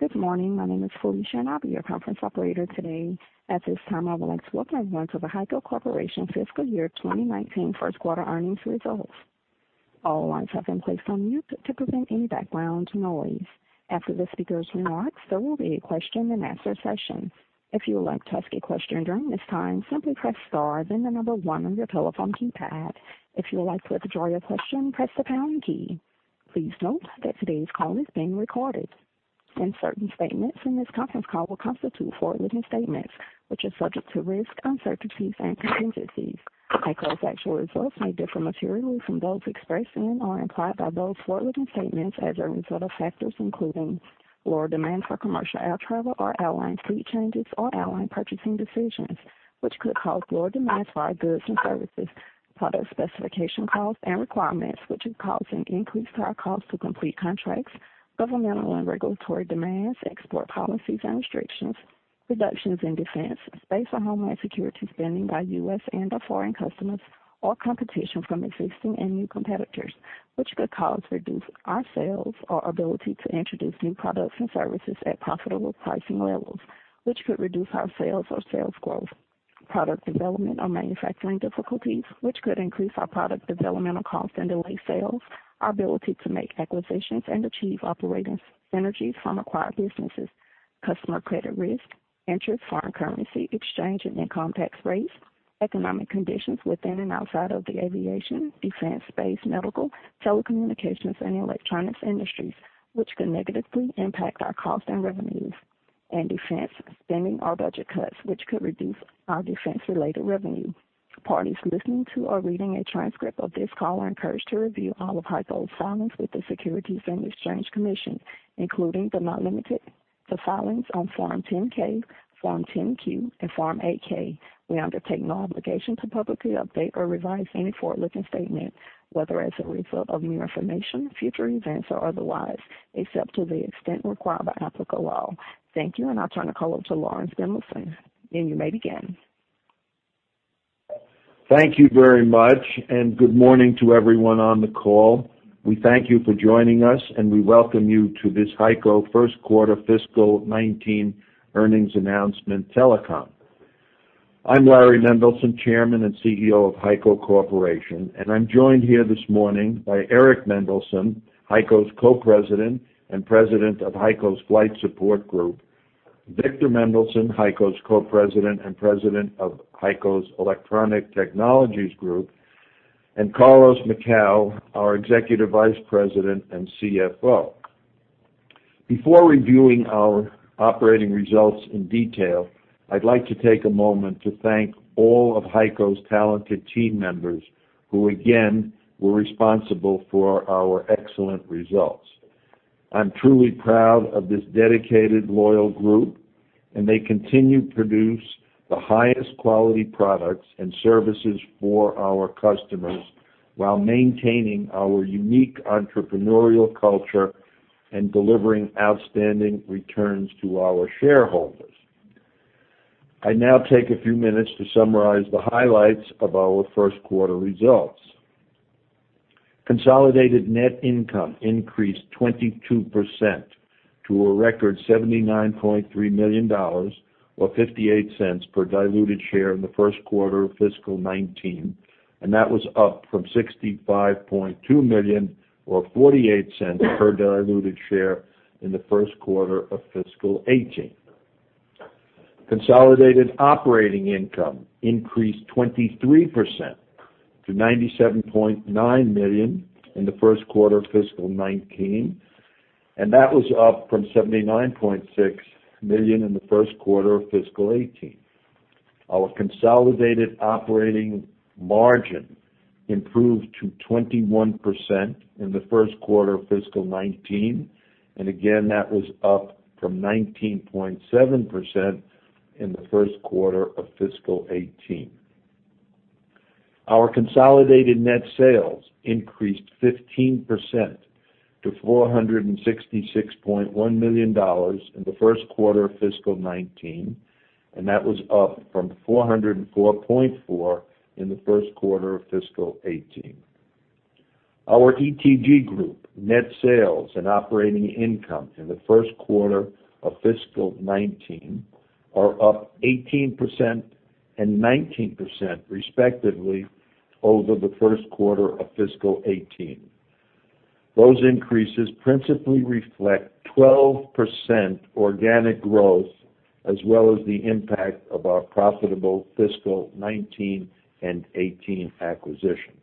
Good morning. My name is Felicia, and I'll be your conference operator today. At this time, I would like to welcome everyone to the HEICO Corporation fiscal year 2019 first quarter earnings results. All lines have been placed on mute to prevent any background noise. After the speakers' remarks, there will be a question and answer session. If you would like to ask a question during this time, simply press star then the number one on your telephone keypad. If you would like to withdraw your question, press the pound key. Please note that today's call is being recorded. Certain statements in this conference call will constitute forward-looking statements, which are subject to risks, uncertainties, and contingencies. HEICO's actual results may differ materially from those expressed in or implied by those forward-looking statements as a result of factors including lower demands for commercial air travel or airline fleet changes or airline purchasing decisions, which could cause lower demands for our goods and services, product specification costs and requirements, which has caused an increase to our cost to complete contracts, governmental and regulatory demands, export policies and restrictions, reductions in defense, space, or homeland security spending by U.S. and/or foreign customers, or competition from existing and new competitors, which could cause reduced our sales or ability to introduce new products and services at profitable pricing levels, which could reduce our sales or sales growth, product development or manufacturing difficulties, which could increase our product developmental cost and delay sales, our ability to make acquisitions and achieve operating synergies from acquired businesses, customer credit risk, interest, foreign currency exchange and income tax rates, economic conditions within and outside of the aviation, defense, space, medical, telecommunications, and electronics industries, which could negatively impact our cost and revenues, and defense spending or budget cuts, which could reduce our defense-related revenue. Parties listening to or reading a transcript of this call are encouraged to review all of HEICO's filings with the Securities and Exchange Commission, including but not limited to filings on Form 10-K, Form 10-Q, and Form 8-K. We undertake no obligation to publicly update or revise any forward-looking statement, whether as a result of new information, future events, or otherwise, except to the extent required by applicable law. Thank you, and I'll turn the call over to Laurans A. Mendelson. You may begin. Thank you very much, good morning to everyone on the call. We thank you for joining us, we welcome you to this HEICO first quarter fiscal 2019 earnings announcement telecom. I'm Larry Mendelson, Chairman and CEO of HEICO Corporation, I'm joined here this morning by Eric Mendelson, HEICO's Co-President and President of HEICO's Flight Support Group, Victor Mendelson, HEICO's Co-President and President of HEICO's Electronic Technologies Group, and Carlos Macau, our Executive Vice President and CFO. Before reviewing our operating results in detail, I'd like to take a moment to thank all of HEICO's talented team members who again were responsible for our excellent results. I'm truly proud of this dedicated, loyal group, they continue to produce the highest quality products and services for our customers while maintaining our unique entrepreneurial culture and delivering outstanding returns to our shareholders. I now take a few minutes to summarize the highlights of our first quarter results. Consolidated net income increased 22% to a record $79.3 million, or $0.58 per diluted share in the first quarter of fiscal 2019. That was up from $65.2 million or $0.48 per diluted share in the first quarter of fiscal 2018. Consolidated operating income increased 23% to $97.9 million in the first quarter of fiscal 2019. That was up from $79.6 million in the first quarter of fiscal 2018. Our consolidated operating margin improved to 21% in the first quarter of fiscal 2019. Again, that was up from 19.7% in the first quarter of fiscal 2018. Our consolidated net sales increased 15% to $466.1 million in the first quarter of fiscal 2019. That was up from $404.4 in the first quarter of fiscal 2018. Our ETG Group net sales and operating income in the first quarter of fiscal 2019 are up 18% and 19%, respectively, over the first quarter of fiscal 2018. Those increases principally reflect 12% organic growth, as well as the impact of our profitable fiscal 2019 and 2018 acquisitions.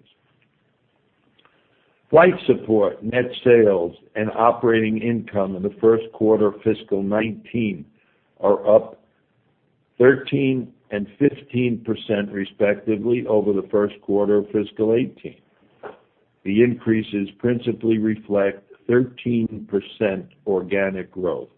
Flight Support net sales and operating income in the first quarter of fiscal 2019 are up 13% and 15%, respectively, over the first quarter of fiscal 2018. The increases principally reflect 13% organic growth.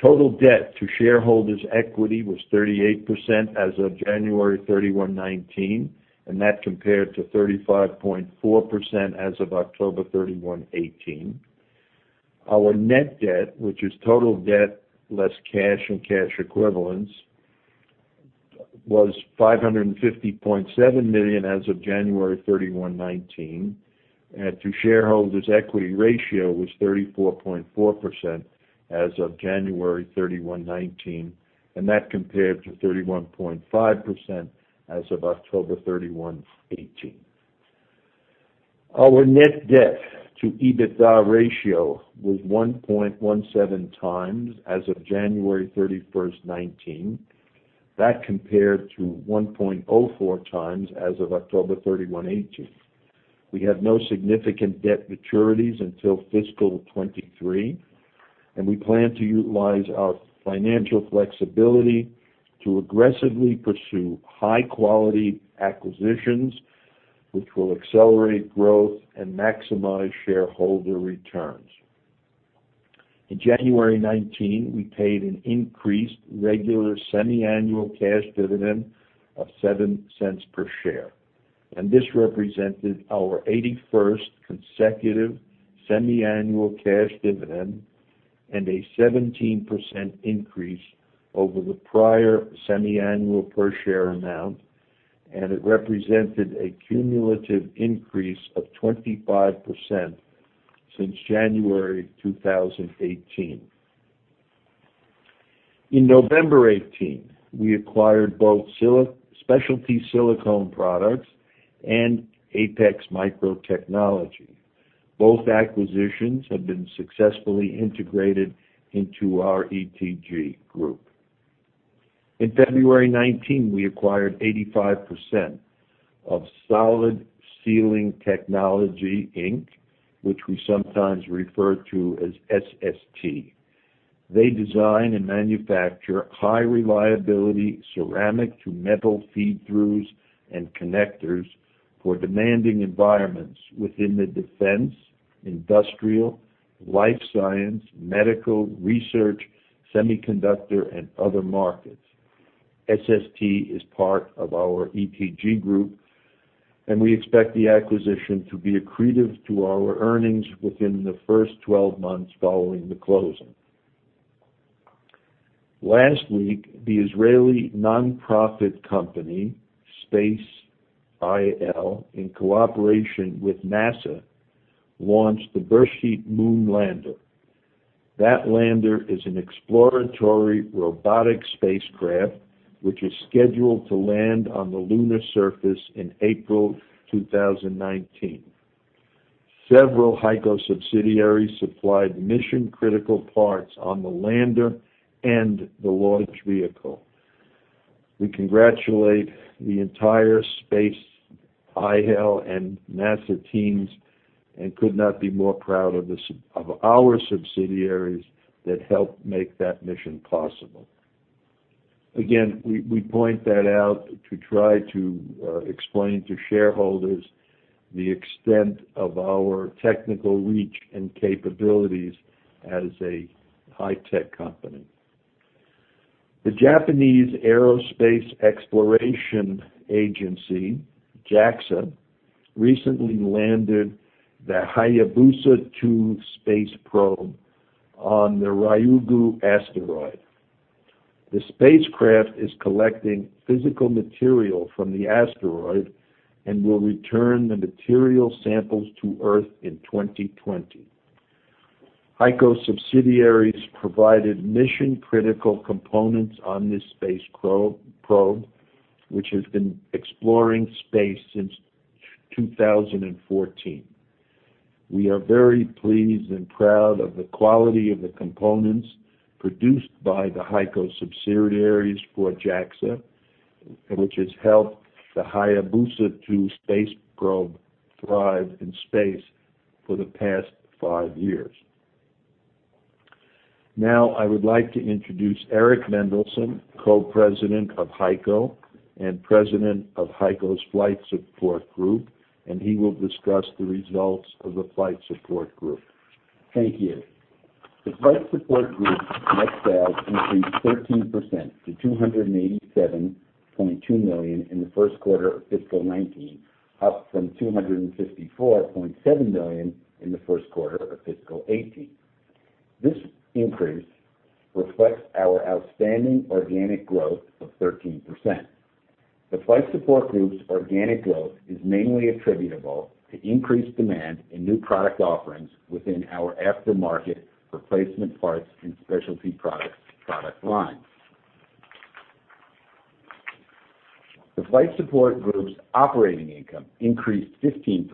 Total debt to shareholders' equity was 38% as of January 31, 2019. That compared to 35.4% as of October 31, 2018. Our net debt, which is total debt less cash and cash equivalents, was $550.7 million as of January 31, 2019. To shareholders' equity ratio was 34.4% as of January 31, 2019. That compared to 31.5% as of October 31, 2018. Our net debt to EBITDA ratio was 1.17 times as of January 31, 2019. That compared to 1.04 times as of October 31, 2018. We have no significant debt maturities until fiscal 2023. We plan to utilize our financial flexibility to aggressively pursue high-quality acquisitions, which will accelerate growth and maximize shareholder returns. In January 2019, we paid an increased regular semiannual cash dividend of $0.07 per share. This represented our 81st consecutive semiannual cash dividend and a 17% increase over the prior semiannual per share amount. It represented a cumulative increase of 25% since January 2018. In November 2018, we acquired both Specialty Silicone Products and Apex Microtechnology. Both acquisitions have been successfully integrated into our ETG Group. In February 2019, we acquired 85% of Solid Sealing Technology, Inc., which we sometimes refer to as SST. They design and manufacture high-reliability ceramic to metal feed-throughs and connectors for demanding environments within the defense, industrial, life science, medical, research, semiconductor, and other markets. SST is part of our ETG Group. We expect the acquisition to be accretive to our earnings within the first 12 months following the closing. Last week, the Israeli nonprofit company, SpaceIL, in cooperation with NASA, launched the Beresheet moon lander. That lander is an exploratory robotic spacecraft, which is scheduled to land on the lunar surface in April 2019. Several HEICO subsidiaries supplied mission-critical parts on the lander and the launch vehicle. We congratulate the entire SpaceIL and NASA teams. Could not be more proud of our subsidiaries that helped make that mission possible. Again, we point that out to try to explain to shareholders the extent of our technical reach and capabilities as a high-tech company. The Japan Aerospace Exploration Agency, JAXA, recently landed the Hayabusa2 space probe on the Ryugu asteroid. The spacecraft is collecting physical material from the asteroid and will return the material samples to Earth in 2020. HEICO subsidiaries provided mission-critical components on this space probe, which has been exploring space since 2014. We are very pleased and proud of the quality of the components produced by the HEICO subsidiaries for JAXA, which has helped the Hayabusa2 space probe thrive in space for the past five years. I would like to introduce Eric Mendelson, Co-President of HEICO and President of HEICO's Flight Support Group, and he will discuss the results of the Flight Support Group. Thank you. The Flight Support Group net sales increased 13% to $287.2 million in the first quarter of FY 2019, up from $254.7 million in the first quarter of FY 2018. This increase reflects our outstanding organic growth of 13%. The Flight Support Group's organic growth is mainly attributable to increased demand in new product offerings within our aftermarket replacement parts and specialty products product lines. The Flight Support Group's operating income increased 15%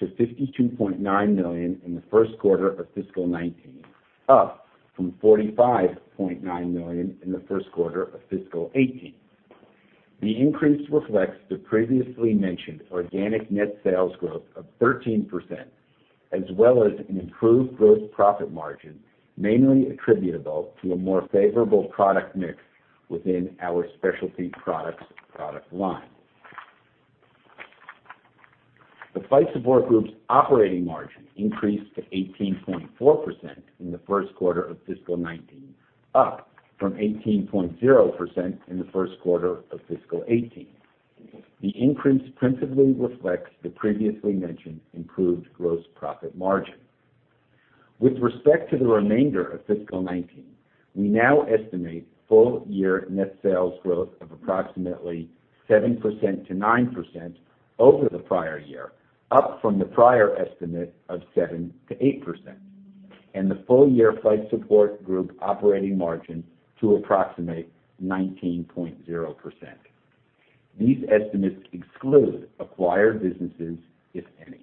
to $52.9 million in the first quarter of FY 2019, up from $45.9 million in the first quarter of FY 2018. The increase reflects the previously mentioned organic net sales growth of 13%, as well as an improved gross profit margin, mainly attributable to a more favorable product mix within our specialty products product line. The Flight Support Group's operating margin increased to 18.4% in the first quarter of FY 2019, up from 18.0% in the first quarter of FY 2018. The increase principally reflects the previously mentioned improved gross profit margin. With respect to the remainder of FY 2019, we now estimate full-year net sales growth of approximately 7%-9% over the prior year, up from the prior estimate of 7%-8%, and the full-year Flight Support Group operating margin to approximate 19.0%. These estimates exclude acquired businesses, if any.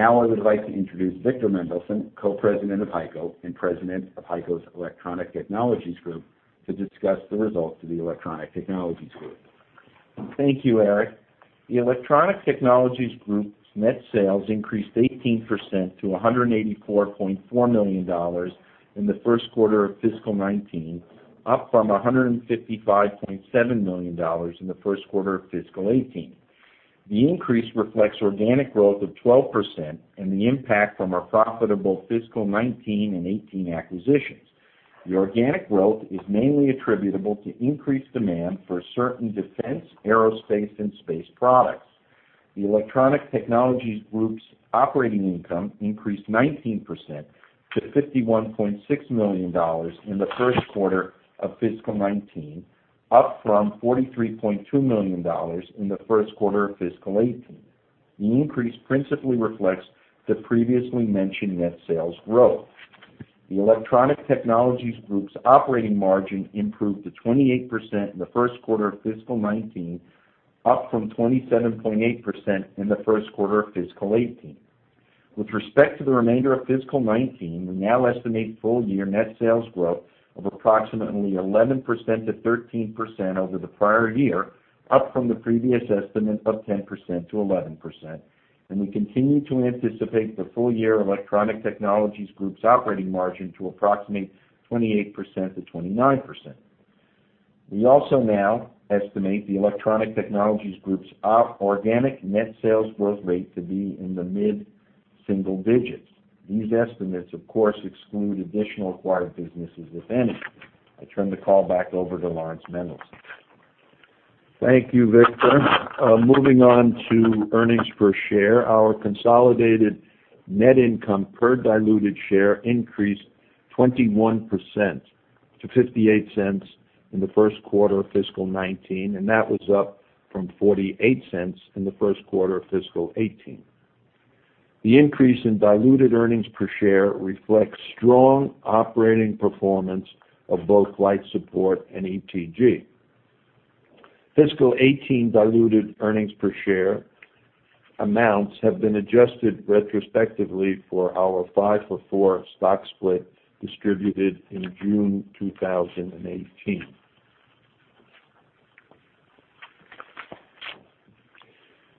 I would like to introduce Victor Mendelson, Co-President of HEICO and President of HEICO's Electronic Technologies Group, to discuss the results of the Electronic Technologies Group. Thank you, Eric. The Electronic Technologies Group's net sales increased 18% to $184.4 million in the first quarter of fiscal 2019, up from $155.7 million in the first quarter of fiscal 2018. The increase reflects organic growth of 12% and the impact from our profitable fiscal 2019 and 2018 acquisitions. The organic growth is mainly attributable to increased demand for certain defense, aerospace, and space products. The Electronic Technologies Group's operating income increased 19% to $51.6 million in the first quarter of fiscal 2019, up from $43.2 million in the first quarter of fiscal 2018. The increase principally reflects the previously mentioned net sales growth. The Electronic Technologies Group's operating margin improved to 28% in the first quarter of fiscal 2019, up from 27.8% in the first quarter of fiscal 2018. With respect to the remainder of fiscal 2019, we now estimate full-year net sales growth of approximately 11%-13% over the prior year, up from the previous estimate of 10%-11%. We continue to anticipate the full-year Electronic Technologies Group's operating margin to approximate 28%-29%. We also now estimate the Electronic Technologies Group's organic net sales growth rate to be in the mid-single digits. These estimates, of course, exclude additional acquired businesses, if any. I turn the call back over to Laurans Mendelson. Thank you, Victor. Moving on to earnings per share. Our consolidated net income per diluted share increased 21% to $0.58 in the first quarter of fiscal 2019, and that was up from $0.48 in the first quarter of fiscal 2018. The increase in diluted earnings per share reflects strong operating performance of both Flight Support and ETG. Fiscal 2018 diluted earnings per share amounts have been adjusted retrospectively for our five-for-four stock split distributed in June 2018.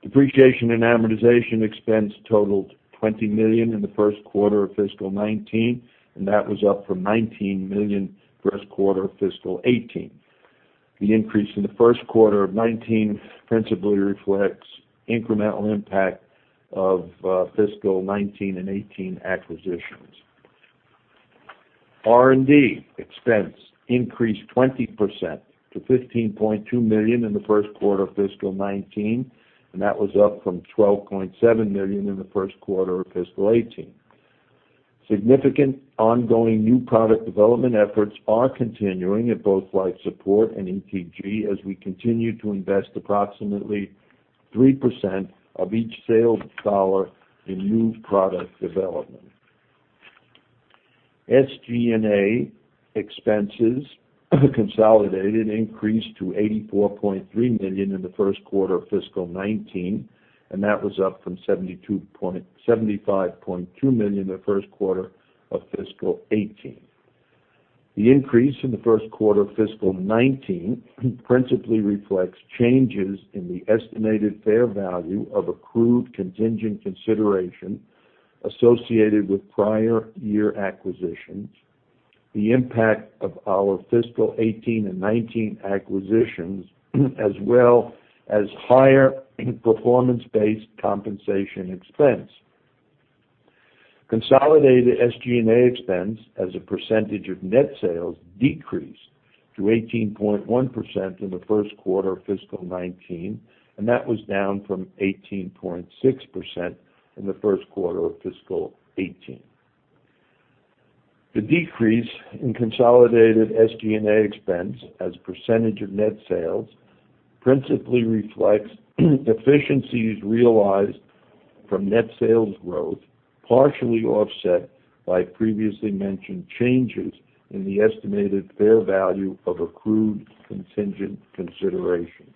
Depreciation and amortization expense totaled $20 million in the first quarter of fiscal 2019, and that was up from $19 million first quarter of fiscal 2018. The increase in the first quarter of 2019 principally reflects incremental impact of fiscal 2019 and 2018 acquisitions. R&D expense increased 20% to $15.2 million in the first quarter of fiscal 2019, and that was up from $12.7 million in the first quarter of fiscal 2018. Significant ongoing new product development efforts are continuing at both Flight Support and ETG as we continue to invest approximately 3% of each sale dollar in new product development. SG&A expenses consolidated increased to $84.3 million in the first quarter of fiscal 2019, and that was up from $75.2 million the first quarter of fiscal 2018. The increase in the first quarter of fiscal 2019 principally reflects changes in the estimated fair value of accrued contingent consideration associated with prior year acquisitions, the impact of our fiscal 2018 and 2019 acquisitions, as well as higher performance-based compensation expense. Consolidated SG&A expense as a percentage of net sales decreased to 18.1% in the first quarter of fiscal 2019, and that was down from 18.6% in the first quarter of fiscal 2018. The decrease in consolidated SG&A expense as a percentage of net sales principally reflects efficiencies realized from net sales growth, partially offset by previously mentioned changes in the estimated fair value of accrued contingent consideration.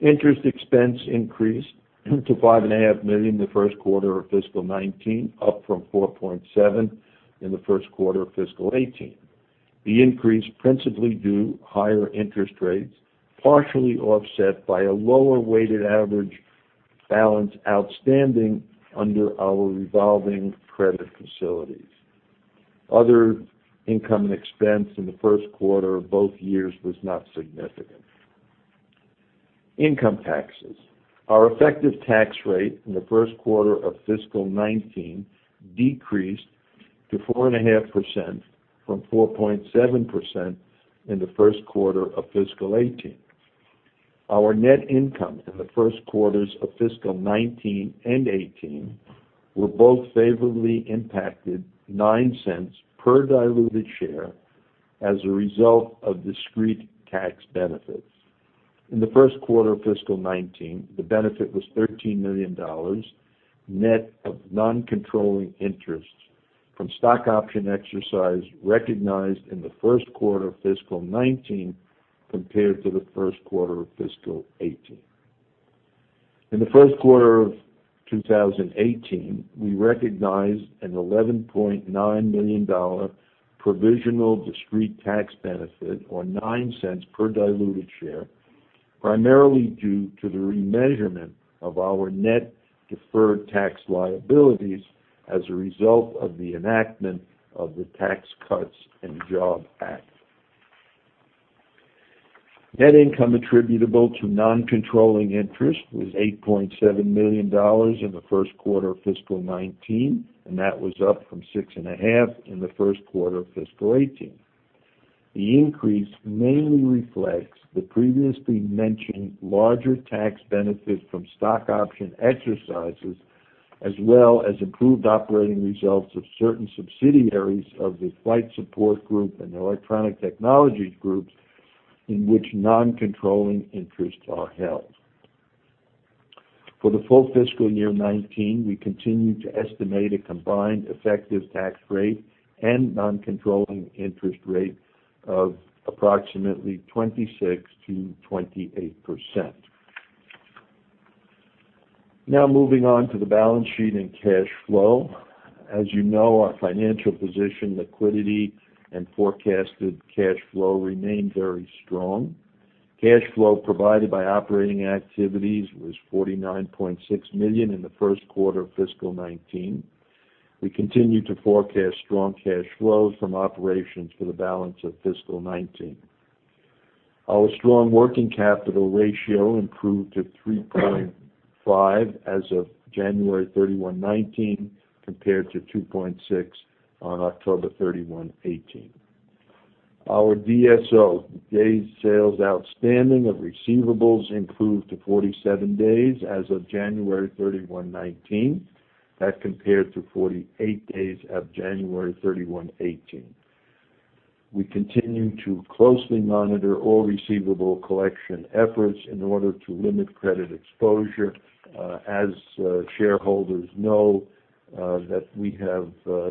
Interest expense increased to $5.5 million in the first quarter of fiscal 2019, up from $4.7 million in the first quarter of fiscal 2018. The increase principally due higher interest rates, partially offset by a lower weighted average balance outstanding under our revolving credit facilities. Other income and expense in the first quarter of both years was not significant. Income taxes. Our effective tax rate in the first quarter of fiscal 2019 decreased to 4.5% from 4.7% in the first quarter of fiscal 2018. Our net income in the first quarters of fiscal 2019 and 2018 were both favorably impacted $0.09 per diluted share as a result of discrete tax benefits. In the first quarter of fiscal 2019, the benefit was $13 million, net of non-controlling interests from stock option exercise recognized in the first quarter of fiscal 2019 compared to the first quarter of fiscal 2018. In the first quarter of 2018, we recognized an $11.9 million provisional discrete tax benefit, or $0.09 per diluted share, primarily due to the remeasurement of our net deferred tax liabilities as a result of the enactment of the Tax Cuts and Jobs Act. Net income attributable to non-controlling interest was $8.7 million in the first quarter of fiscal 2019, and that was up from $6.5 million in the first quarter of fiscal 2018. The increase mainly reflects the previously mentioned larger tax benefit from stock option exercises, as well as improved operating results of certain subsidiaries of the Flight Support Group and Electronic Technologies Group in which non-controlling interests are held. For the full fiscal year 2019, we continue to estimate a combined effective tax rate and non-controlling interest rate of approximately 26%-28%. Moving on to the balance sheet and cash flow. As you know, our financial position, liquidity, and forecasted cash flow remain very strong. Cash flow provided by operating activities was $49.6 million in the first quarter of fiscal 2019. We continue to forecast strong cash flow from operations for the balance of fiscal 2019. Our strong working capital ratio improved to 3.5 as of January 31, 2019, compared to 2.6 on October 31, 2018. Our DSO, days sales outstanding of receivables improved to 47 days as of January 31, 2019. That compared to 48 days of January 31, 2018. We continue to closely monitor all receivable collection efforts in order to limit credit exposure. As shareholders know that we have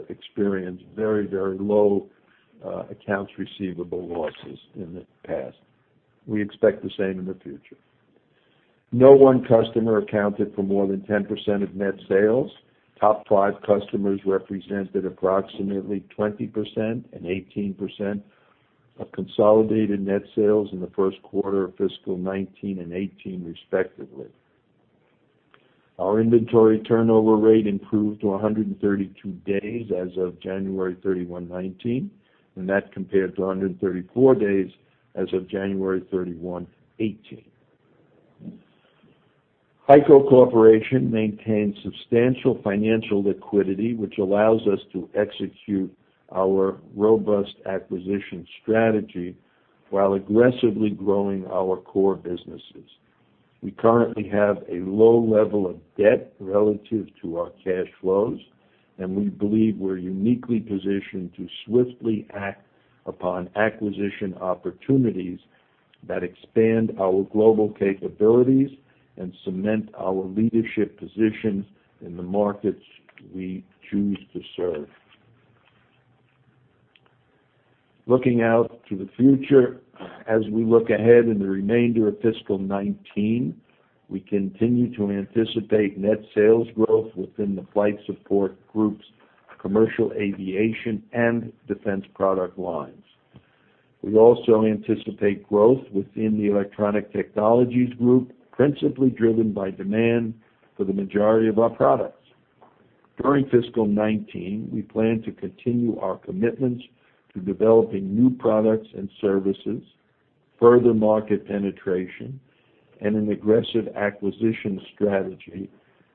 experienced very low accounts receivable losses in the past. We expect the same in the future. No one customer accounted for more than 10% of net sales. Top five customers represented approximately 20% and 18% of consolidated net sales in the first quarter of fiscal 2019 and 2018, respectively. Our inventory turnover rate improved to 132 days as of January 31, 2019, and that compared to 134 days as of January 31, 2018. HEICO Corporation maintains substantial financial liquidity, which allows us to execute our robust acquisition strategy while aggressively growing our core businesses. We currently have a low level of debt relative to our cash flows, and we believe we are uniquely positioned to swiftly act upon acquisition opportunities that expand our global capabilities and cement our leadership positions in the markets we choose to serve. Looking out to the future, as we look ahead in the remainder of fiscal 2019, we continue to anticipate net sales growth within the Flight Support Group's commercial aviation and defense product lines. We also anticipate growth within the Electronic Technologies Group, principally driven by demand for the majority of our products. During fiscal 2019, we plan to continue our commitments to developing new products and services, further market penetration, and an aggressive acquisition strategy,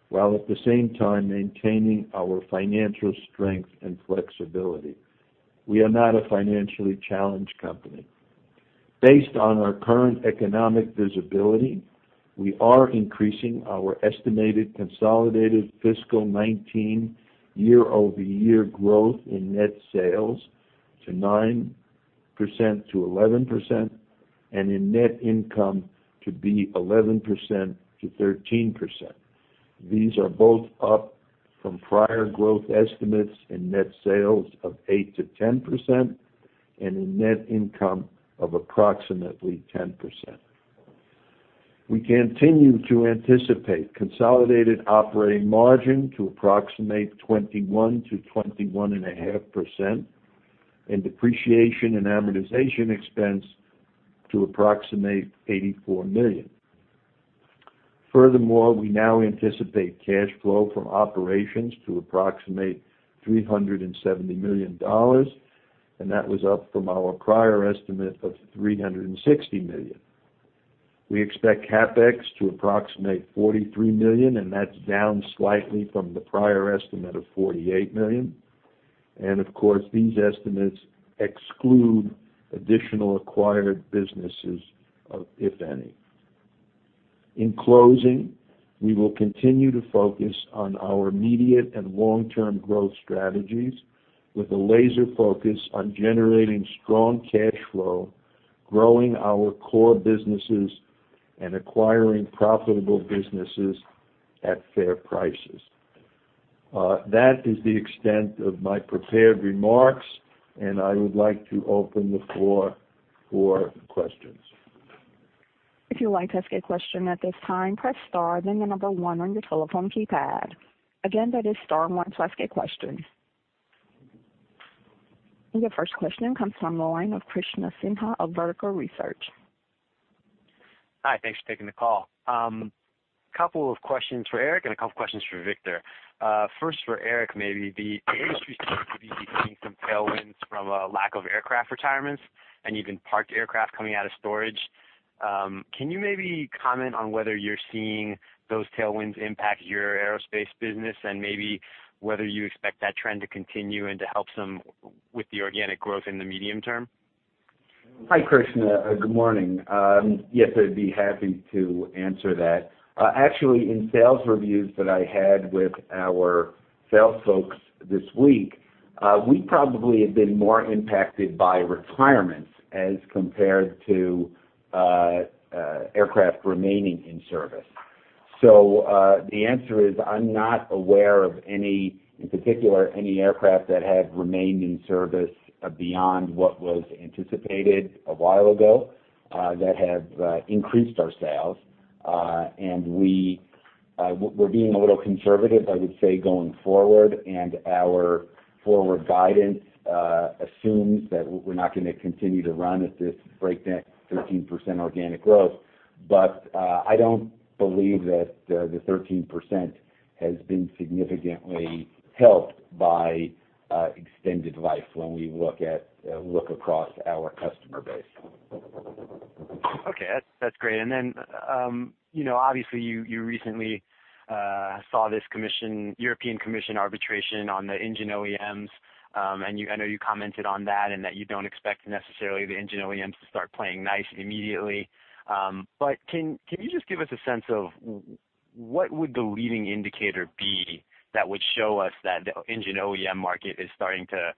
while at the same time maintaining our financial strength and flexibility. We are not a financially challenged company. Based on our current economic visibility, we are increasing our estimated consolidated fiscal 2019 year-over-year growth in net sales to 9%-11%, and in net income to be 11%-13%. These are both up from prior growth estimates in net sales of 8%-10%, and in net income of approximately 10%. We continue to anticipate consolidated operating margin to approximate 21%-21.5%, and depreciation and amortization expense to approximate $84 million. Furthermore, we now anticipate cash flow from operations to approximate $370 million, and that was up from our prior estimate of $360 million. We expect CapEx to approximate $43 million, and that's down slightly from the prior estimate of $48 million. Of course, these estimates exclude additional acquired businesses, if any. In closing, we will continue to focus on our immediate and long-term growth strategies with a laser focus on generating strong cash flow, growing our core businesses, and acquiring profitable businesses at fair prices. That is the extent of my prepared remarks, and I would like to open the floor for questions. If you'd like to ask a question at this time, press star then the number one on your telephone keypad. Again, that is star one to ask a question. Your first question comes from the line of Krishna Sinha of Vertical Research. Hi, thanks for taking the call. Couple of questions for Eric and a couple questions for Victor. First for Eric, maybe the industry seems to be seeing some tailwinds from a lack of aircraft retirements and even parked aircraft coming out of storage. Can you maybe comment on whether you're seeing those tailwinds impact your aerospace business and maybe whether you expect that trend to continue and to help some with the organic growth in the medium term? Hi, Krishna. Good morning. Yes, I'd be happy to answer that. Actually, in sales reviews that I had with our sales folks this week, we probably have been more impacted by retirements as compared to aircraft remaining in service. The answer is, I'm not aware of, in particular, any aircraft that have remained in service beyond what was anticipated a while ago, that have increased our sales. We're being a little conservative, I would say, going forward, and our forward guidance assumes that we're not going to continue to run at this breakneck 13% organic growth. I don't believe that the 13% has been significantly helped by extended life when we look across our customer base. Okay. That's great. Obviously you recently saw this European Commission arbitration on the engine OEMs, and I know you commented on that and that you don't expect necessarily the engine OEMs to start playing nice immediately. Can you just give us a sense of what would the leading indicator be that would show us that the engine OEM market is starting to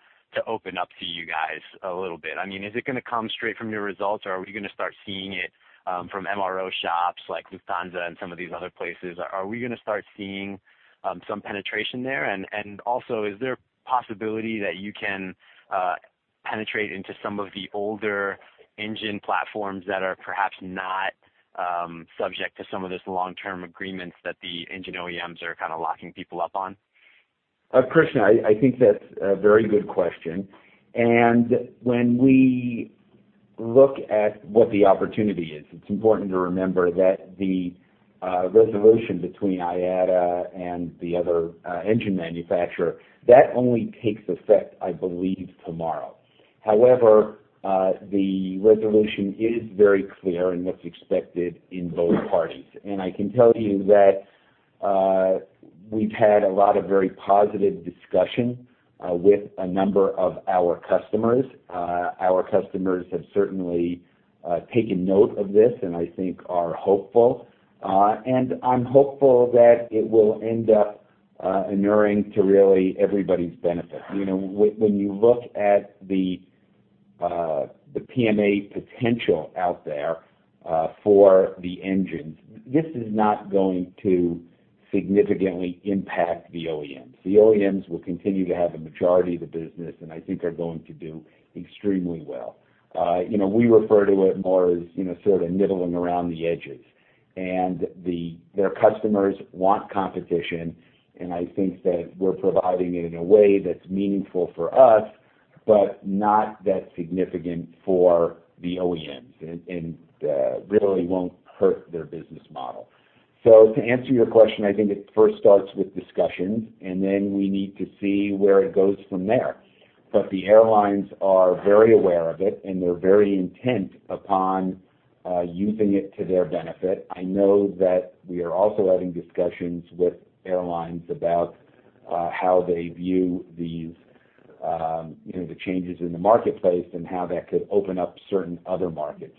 open up to you guys a little bit? Is it going to come straight from your results or are we going to start seeing it from MRO shops like Lufthansa and some of these other places? Are we going to start seeing some penetration there? Is there a possibility that you can penetrate into some of the older engine platforms that are perhaps not subject to some of the long-term agreements that the engine OEMs are kind of locking people up on? Krishna, I think that's a very good question. When we look at what the opportunity is, it's important to remember that the resolution between IADA and the other engine manufacturer, that only takes effect, I believe, tomorrow. However, the resolution is very clear in what's expected in both parties. I can tell you that we've had a lot of very positive discussion with a number of our customers. Our customers have certainly taken note of this and I think are hopeful. I'm hopeful that it will end up inuring to really everybody's benefit. When you look at the PMA potential out there for the engines, this is not going to significantly impact the OEMs. The OEMs will continue to have the majority of the business, and I think are going to do extremely well. We refer to it more as sort of nibbling around the edges. Their customers want competition. I think that we're providing it in a way that's meaningful for us, not that significant for the OEMs, really won't hurt their business model. To answer your question, I think it first starts with discussions. We need to see where it goes from there. The airlines are very aware of it. They're very intent upon using it to their benefit. I know that we are also having discussions with airlines about how they view the changes in the marketplace and how that could open up certain other markets.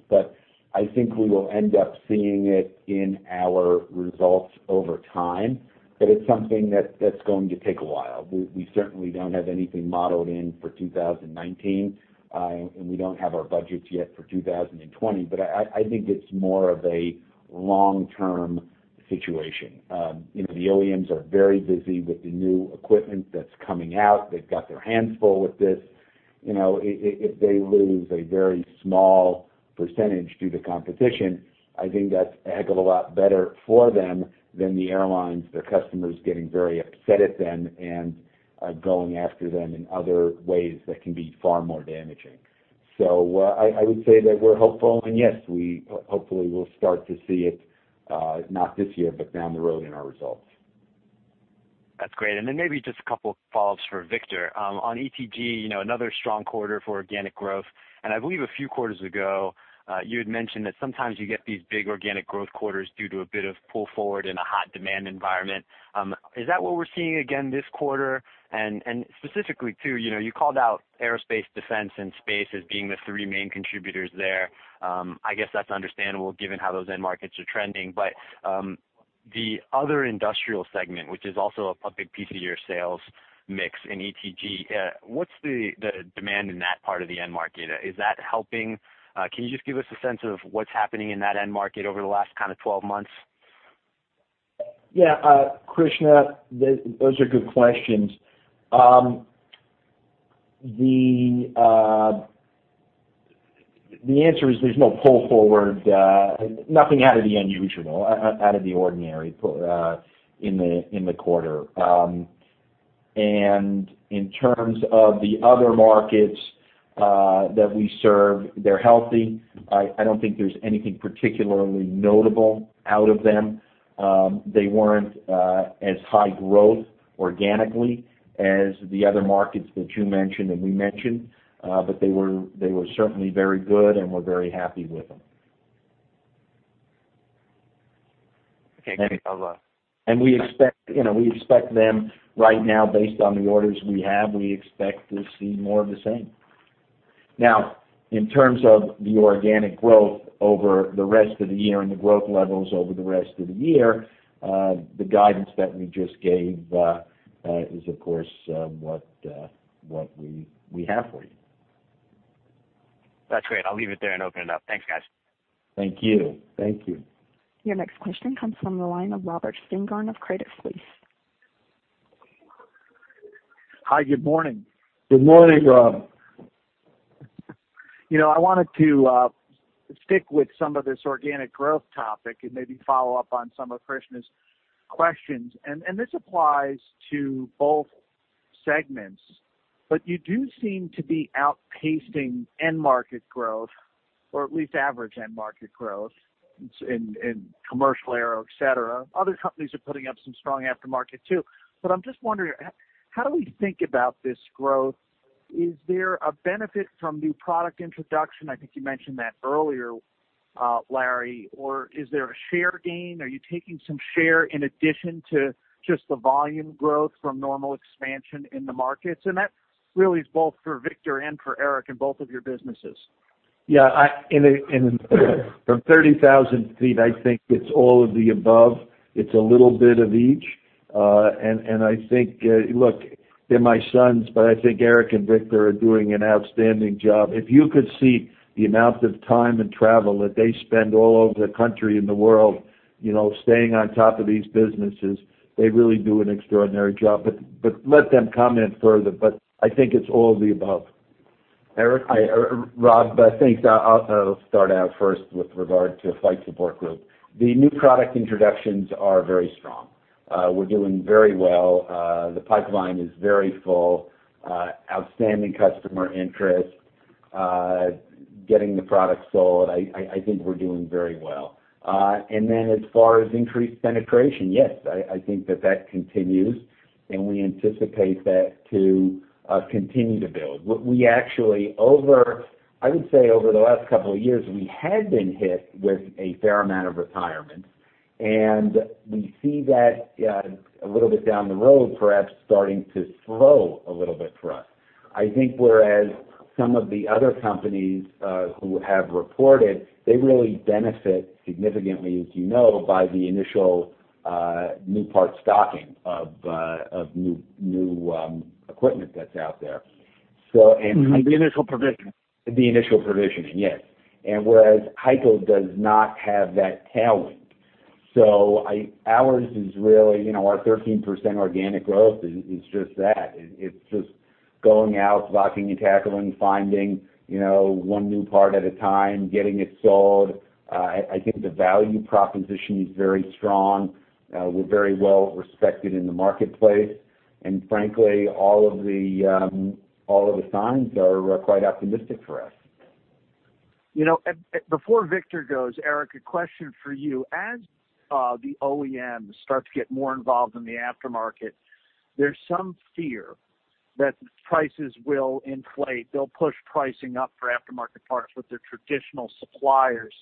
I think we will end up seeing it in our results over time. It's something that's going to take a while. We certainly don't have anything modeled in for 2019, and we don't have our budgets yet for 2020. I think it's more of a long-term situation. The OEMs are very busy with the new equipment that's coming out. They've got their hands full with this. If they lose a very small percentage due to competition, I think that's a heck of a lot better for them than the airlines, their customers, getting very upset at them and going after them in other ways that can be far more damaging. I would say that we're hopeful. We hopefully will start to see it, not this year, but down the road in our results. That's great. Maybe just a couple of follow-ups for Victor. On ETG, another strong quarter for organic growth. I believe a few quarters ago, you had mentioned that sometimes you get these big organic growth quarters due to a bit of pull forward in a hot demand environment. Is that what we're seeing again this quarter? Specifically, too, you called out aerospace, defense, and space as being the three main contributors there. I guess that's understandable given how those end markets are trending. The other industrial segment, which is also a big piece of your sales mix in ETG, what's the demand in that part of the end market? Is that helping? Can you just give us a sense of what's happening in that end market over the last 12 months? Yeah, Krishna, those are good questions. The answer is there's no pull forward, nothing out of the ordinary in the quarter. In terms of the other markets that we serve, they're healthy. I don't think there's anything particularly notable out of them. They weren't as high growth organically as the other markets that you mentioned, and we mentioned. They were certainly very good. We're very happy with them. Okay, great. We expect them right now, based on the orders we have, we expect to see more of the same. Now, in terms of the organic growth over the rest of the year and the growth levels over the rest of the year, the guidance that we just gave is, of course, what we have for you. That's great. I'll leave it there and open it up. Thanks, guys. Thank you. Your next question comes from the line of Robert Spingarn of Credit Suisse. Hi, good morning. Good morning, Rob. I wanted to stick with some of this organic growth topic and maybe follow up on some of Krishna's questions. This applies to both segments. You do seem to be outpacing end market growth, or at least average end market growth in commercial aero, et cetera. Other companies are putting up some strong aftermarket, too. I'm just wondering, how do we think about this growth? Is there a benefit from new product introduction? I think you mentioned that earlier, Larry. Or is there a share gain? Are you taking some share in addition to just the volume growth from normal expansion in the markets? That really is both for Victor and for Eric in both of your businesses. Yeah. From 30,000 feet, I think it's all of the above. It's a little bit of each. I think, look, they're my sons, but I think Eric and Victor are doing an outstanding job. If you could see the amount of time and travel that they spend all over the country and the world, staying on top of these businesses, they really do an extraordinary job. Let them comment further, but I think it's all of the above. Eric? Rob, thanks. I'll start out first with regard to Flight Support Group. The new product introductions are very strong. We're doing very well. The pipeline is very full. Outstanding customer interest, getting the product sold. I think we're doing very well. Then as far as increased penetration, yes, I think that that continues, and we anticipate that to continue to build. I would say, over the last couple of years, we had been hit with a fair amount of retirement, and we see that a little bit down the road, perhaps starting to slow a little bit for us. I think whereas some of the other companies who have reported, they really benefit significantly, as you know, by the initial new part stocking of new equipment that's out there. The initial provisioning. The initial provisioning, yes. Whereas HEICO does not have that tailwind. Ours is really, our 13% organic growth is just that. It's just going out, blocking and tackling, finding one new part at a time, getting it sold. I think the value proposition is very strong. We're very well respected in the marketplace. Frankly, all of the signs are quite optimistic for us. Before Victor goes, Eric, a question for you. As the OEMs start to get more involved in the aftermarket, there is some fear that prices will inflate. They will push pricing up for aftermarket parts with their traditional suppliers.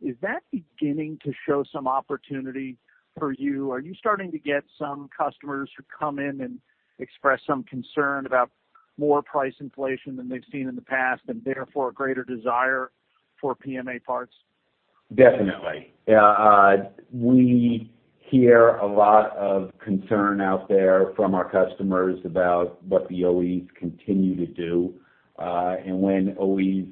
Is that beginning to show some opportunity for you? Are you starting to get some customers who come in and express some concern about more price inflation than they have seen in the past, and therefore a greater desire for PMA parts? Definitely. Yeah. We hear a lot of concern out there from our customers about what the OEs continue to do. When OEs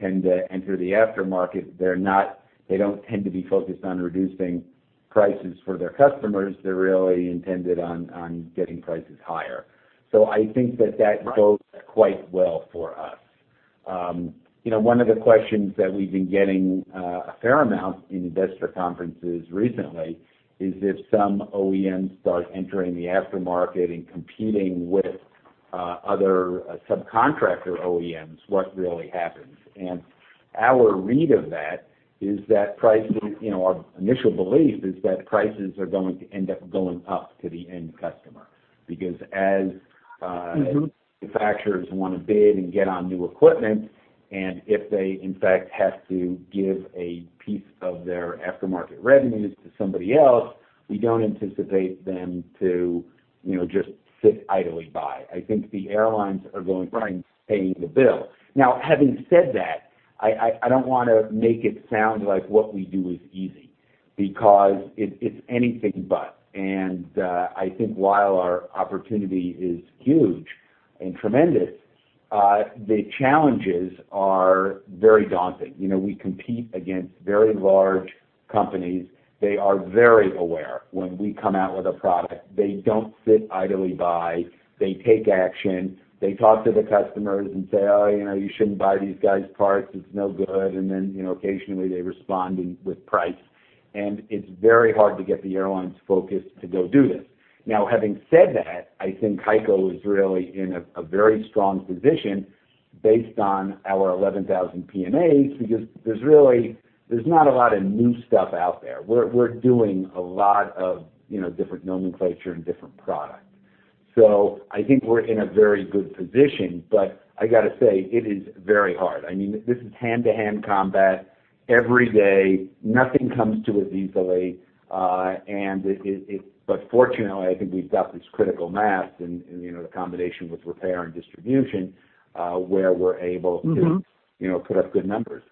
tend to enter the aftermarket, they do not tend to be focused on reducing prices for their customers. They are really intended on getting prices higher. I think that that bodes quite well for us. One of the questions that we have been getting a fair amount in investor conferences recently is, if some OEMs start entering the aftermarket and competing with other subcontractor OEMs, what really happens? Our read of that is that our initial belief is that prices are going to end up going up to the end customer, because as- manufacturers want to bid and get on new equipment, and if they in fact have to give a piece of their aftermarket revenues to somebody else, we do not anticipate them to just sit idly by. I think the airlines are going to end up paying the bill. Now, having said that, I do not want to make it sound like what we do is easy, because it is anything but. I think while our opportunity is huge and tremendous, the challenges are very daunting. We compete against very large companies. They are very aware when we come out with a product. They do not sit idly by. They take action. They talk to the customers and say, "Oh, you should not buy these guys parts, it is no good." Then, occasionally they respond with price, and it is very hard to get the airlines focused to go do this. Now, having said that, I think HEICO is really in a very strong position based on our 11,000 PMAs, because there is not a lot of new stuff out there. We are doing a lot of different nomenclature and different products. I think we are in a very good position, but I got to say, it is very hard. This is hand-to-hand combat every day. Nothing comes to us easily. Fortunately, I think we have got this critical mass and the combination with repair and distribution, where we are able to- put up good numbers.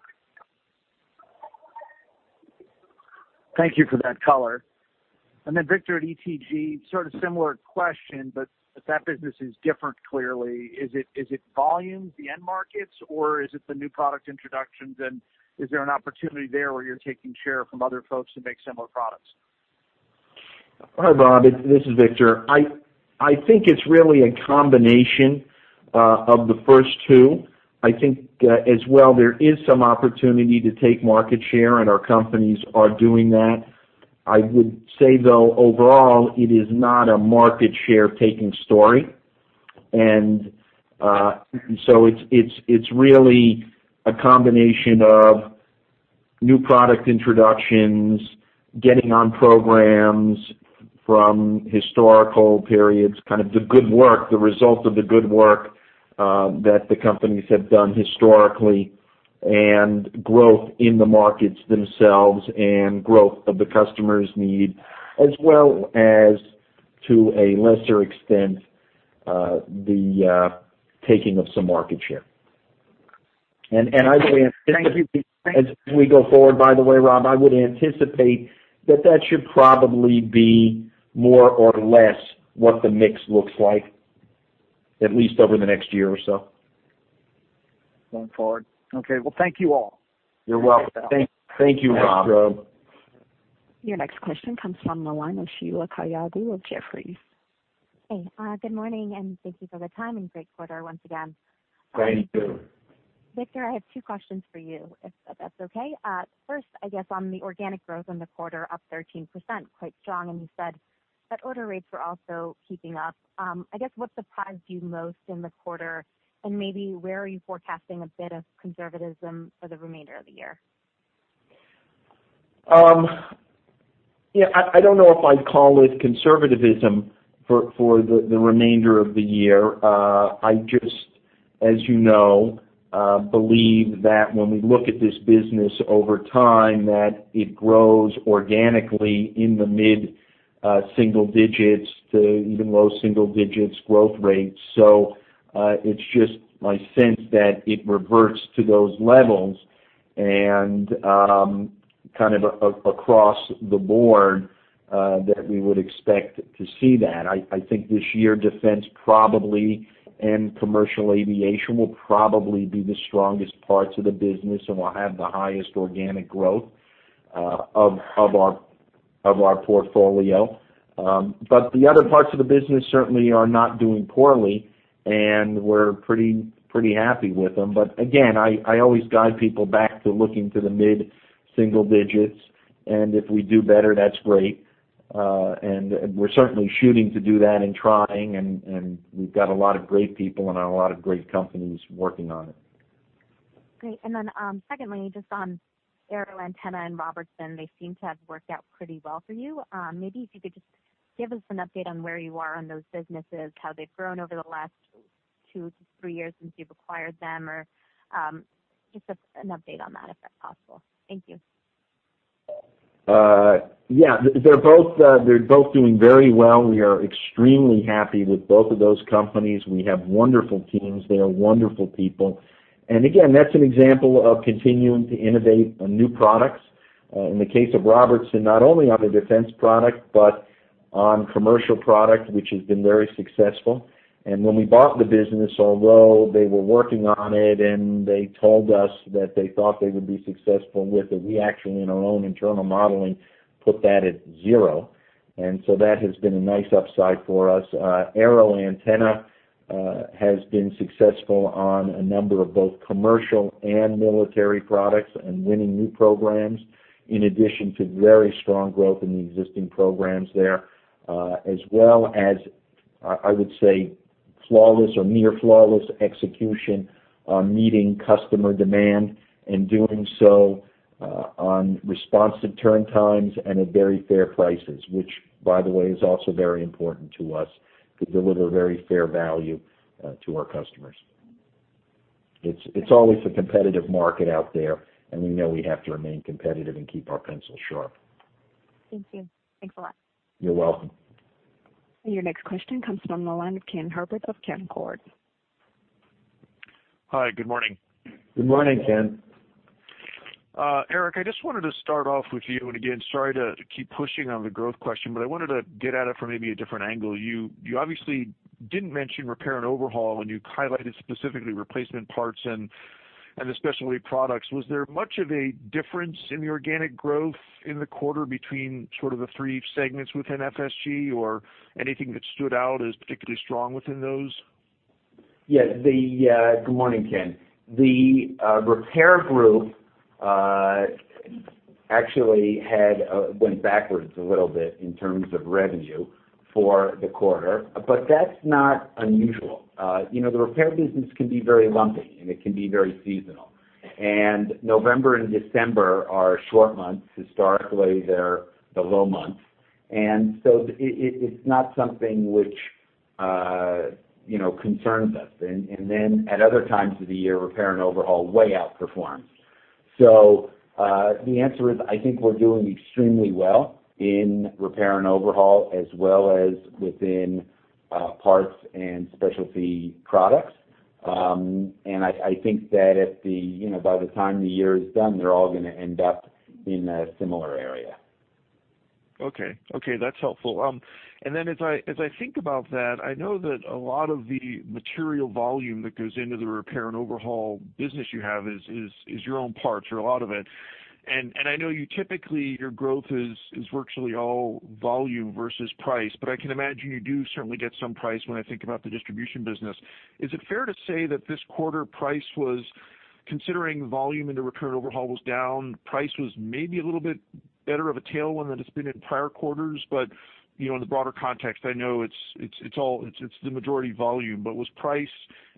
Thank you for that color. Then Victor at ETG, sort of similar question, but that business is different clearly. Is it volume, the end markets, or is it the new product introductions? Is there an opportunity there where you're taking share from other folks who make similar products? Hi, Bob. This is Victor. I think it's really a combination of the first two. I think, as well, there is some opportunity to take market share, and our companies are doing that. I would say, though, overall, it is not a market share-taking story. So it's really a combination of new product introductions, getting on programs from historical periods, kind of the good work, the result of the good work, that the companies have done historically, and growth in the markets themselves and growth of the customer's need, as well as, to a lesser extent, the taking of some market share. I would- Thank you As we go forward, by the way, Rob, I would anticipate that that should probably be more or less what the mix looks like, at least over the next year or so. Going forward. Okay. Well, thank you all. You're welcome. Thank you, Rob. Thanks, Rob. Your next question comes from the line of Sheila Kahyaoglu of Jefferies. Hey, good morning, thank you for the time, and great quarter once again. Thank you. Victor, I have two questions for you, if that's okay. First, I guess on the organic growth in the quarter, up 13%, quite strong. You said that order rates were also keeping up. I guess what surprised you most in the quarter, maybe where are you forecasting a bit of conservatism for the remainder of the year? I don't know if I'd call it conservativism for the remainder of the year. I just, as you know, believe that when we look at this business over time, that it grows organically in the mid-single digits to even low-single digits growth rates. It's just my sense that it reverts to those levels and, kind of across the board, that we would expect to see that. I think this year, defense probably, and commercial aviation will probably be the strongest parts of the business and will have the highest organic growth of our portfolio. The other parts of the business certainly are not doing poorly, and we're pretty happy with them. Again, I always guide people back to looking to the mid-single digits, and if we do better, that's great. We're certainly shooting to do that and trying, and we've got a lot of great people and a lot of great companies working on it. Great. Secondly, just on AeroAntenna and Robertson, they seem to have worked out pretty well for you. Maybe if you could just give us an update on where you are on those businesses, how they've grown over the last two to three years since you've acquired them or, just an update on that, if that's possible. Thank you. Yeah. They're both doing very well. We are extremely happy with both of those companies. We have wonderful teams. They are wonderful people. Again, that's an example of continuing to innovate on new products. In the case of Robertson, not only on the defense product, but on commercial product, which has been very successful. When we bought the business, although they were working on it and they told us that they thought they would be successful with it, we actually in our own internal modeling, put that at zero. So that has been a nice upside for us. AeroAntenna has been successful on a number of both commercial and military products and winning new programs, in addition to very strong growth in the existing programs there, as well as, I would say flawless or near flawless execution on meeting customer demand and doing so on responsive turn times and at very fair prices, which by the way, is also very important to us, to deliver very fair value to our customers. It's always a competitive market out there, and we know we have to remain competitive and keep our pencil sharp. Thank you. Thanks a lot. You're welcome. Your next question comes from the line of Ken Herbert of Canaccord. Hi. Good morning. Good morning, Ken. Eric, I just wanted to start off with you. Again, sorry to keep pushing on the growth question, but I wanted to get at it from maybe a different angle. You obviously didn't mention repair and overhaul when you highlighted specifically replacement parts and the specialty products. Was there much of a difference in the organic growth in the quarter between the three segments within FSG or anything that stood out as particularly strong within those? Yes. Good morning, Ken. The repair group actually went backwards a little bit in terms of revenue for the quarter, but that's not unusual. The repair business can be very lumpy, and it can be very seasonal. November and December are short months. Historically, they're the low months, so it's not something which concerns us. Then at other times of the year, repair and overhaul way outperforms. The answer is, I think we're doing extremely well in repair and overhaul, as well as within parts and specialty products. I think that by the time the year is done, they're all going to end up in a similar area. Okay. That's helpful. As I think about that, I know that a lot of the material volume that goes into the repair and overhaul business you have is your own parts or a lot of it. I know typically, your growth is virtually all volume versus price. I can imagine you do certainly get some price when I think about the distribution business. Is it fair to say that this quarter price was, considering volume in the repair and overhaul was down, price was maybe a little bit better of a tailwind than it's been in prior quarters? In the broader context, I know it's the majority volume, but was price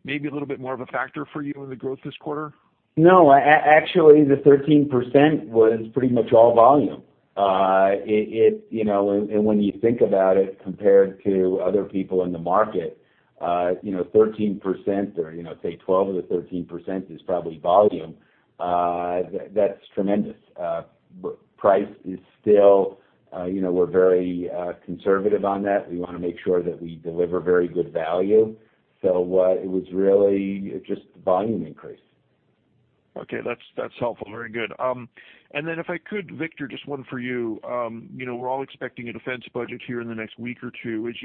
maybe a little bit more of a factor for you in the growth this quarter? No, actually, the 13% was pretty much all volume. When you think about it compared to other people in the market, 13% or say 12%-13% is probably volume. That's tremendous. Price is still, we're very conservative on that. We want to make sure that we deliver very good value. It was really just volume increase. Okay. That's helpful. Very good. If I could, Victor, just one for you. We're all expecting a defense budget here in the next week or two. As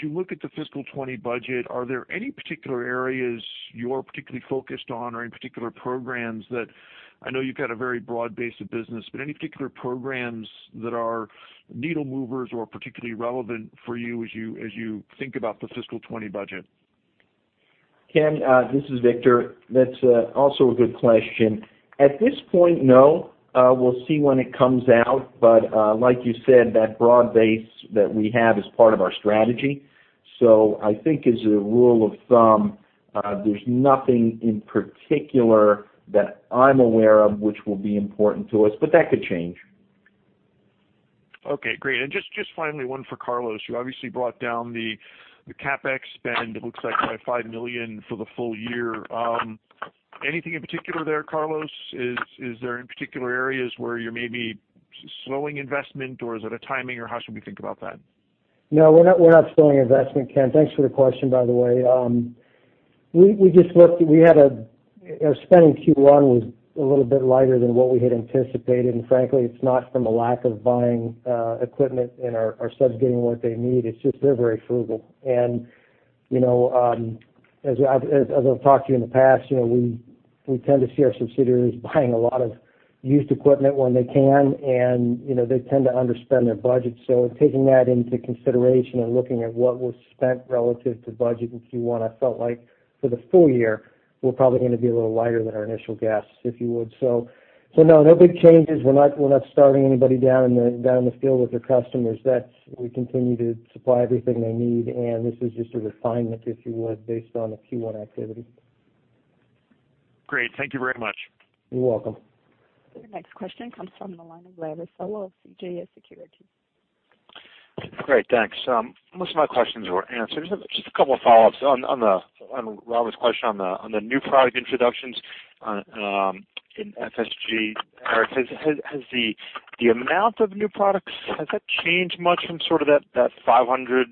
you look at the fiscal 2020 budget, are there any particular areas you're particularly focused on or any particular programs that, I know you've got a very broad base of business, but any particular programs that are needle movers or particularly relevant for you as you think about the fiscal 2020 budget? Ken, this is Victor. That's also a good question. At this point, no. We'll see when it comes out. Like you said, that broad base that we have is part of our strategy. I think as a rule of thumb, there's nothing in particular that I'm aware of which will be important to us, but that could change. Okay, great. Just finally, one for Carlos. You obviously brought down the CapEx spend, it looks like by $5 million for the full year. Anything in particular there, Carlos? Is there any particular areas where you're maybe slowing investment, or is it a timing, or how should we think about that? No, we're not slowing investment, Ken. Thanks for the question, by the way. Our spend in Q1 was a little bit lighter than what we had anticipated, frankly, it's not from a lack of buying equipment and our subs getting what they need. It's just they're very frugal. As I've talked to you in the past, we tend to see our subsidiaries buying a lot of used equipment when they can, and they tend to underspend their budget. Taking that into consideration and looking at what was spent relative to budget in Q1, I felt like for the full year, we're probably going to be a little lighter than our initial guess, if you would. No, no big changes. We're not slowing anybody down in the field with their customers. We continue to supply everything they need, this is just a refinement, if you would, based on the Q1 activity. Great. Thank you very much. You're welcome. Your next question comes from the line of Larry Solow of CJS Securities. Great. Thanks. Most of my questions were answered. Just a couple of follow-ups on Robert's question on the new product introductions in FSG. Eric, has the amount of new products, has that changed much from sort of that 500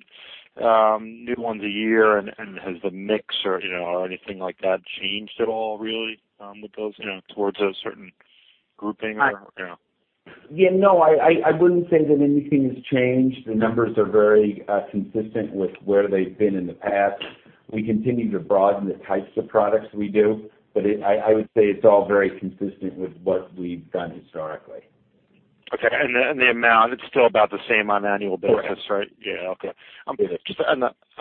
new ones a year, and has the mix or anything like that changed at all, really with those towards a certain grouping or? Yeah. No, I wouldn't say that anything has changed. The numbers are very consistent with where they've been in the past. We continue to broaden the types of products we do, but I would say it's all very consistent with what we've done historically. Okay. The amount, it's still about the same on annual basis, right? Correct. Yeah. Okay. Yeah. Just on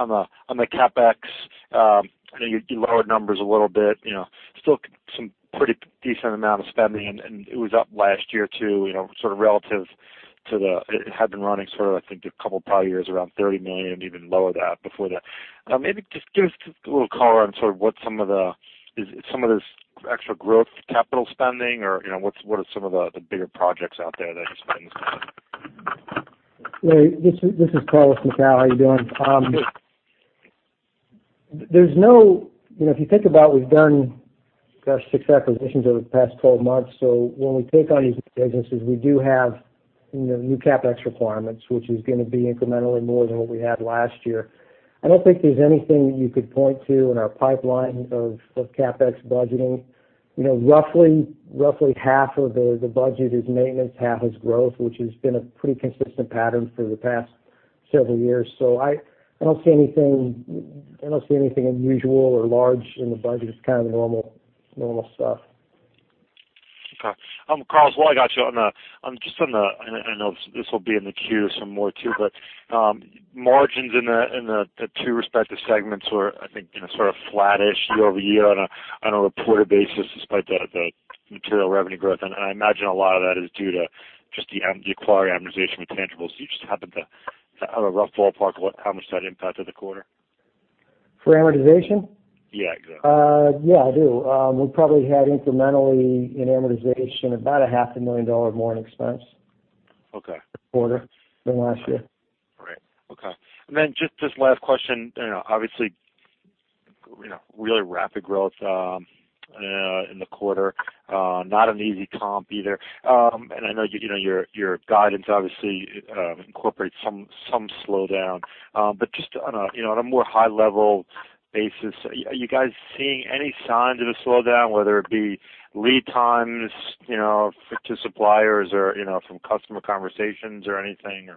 the CapEx, I know you lowered numbers a little bit, still some pretty decent amount of spending, and it was up last year, too, sort of relative. It had been running for, I think, a couple of prior years, around $30 million, even lower than that before that. Maybe just give us just a little color on what some of the extra growth capital spending or what are some of the bigger projects out there that you're spending some money? Larry, this is Carlos Macau. How are you doing? Good. If you think about it, we've done, gosh, six acquisitions over the past 12 months. When we take on these businesses, we do have new CapEx requirements, which is going to be incrementally more than what we had last year. I don't think there's anything that you could point to in our pipeline of CapEx budgeting. Roughly half of the budget is maintenance, half is growth, which has been a pretty consistent pattern for the past several years. I don't see anything unusual or large in the budget. It's kind of normal stuff. Okay. Carlos, while I got you, I know this will be in the queue some more too, margins in the two respective segments were, I think, sort of flattish year-over-year on a reported basis, despite the material revenue growth. I imagine a lot of that is due to just the acquired amortization with tangibles. Do you just happen to have a rough ballpark how much that impacted the quarter? For amortization? Yeah, exactly. Yeah, I do. We probably had incrementally, in amortization, about a half a million dollars more in expense. Okay. This quarter than last year. All right. Okay. Just this last question, obviously, really rapid growth in the quarter. Not an easy comp either. I know your guidance obviously incorporates some slowdown. Just on a more high-level basis, are you guys seeing any signs of a slowdown, whether it be lead times to suppliers or from customer conversations or anything?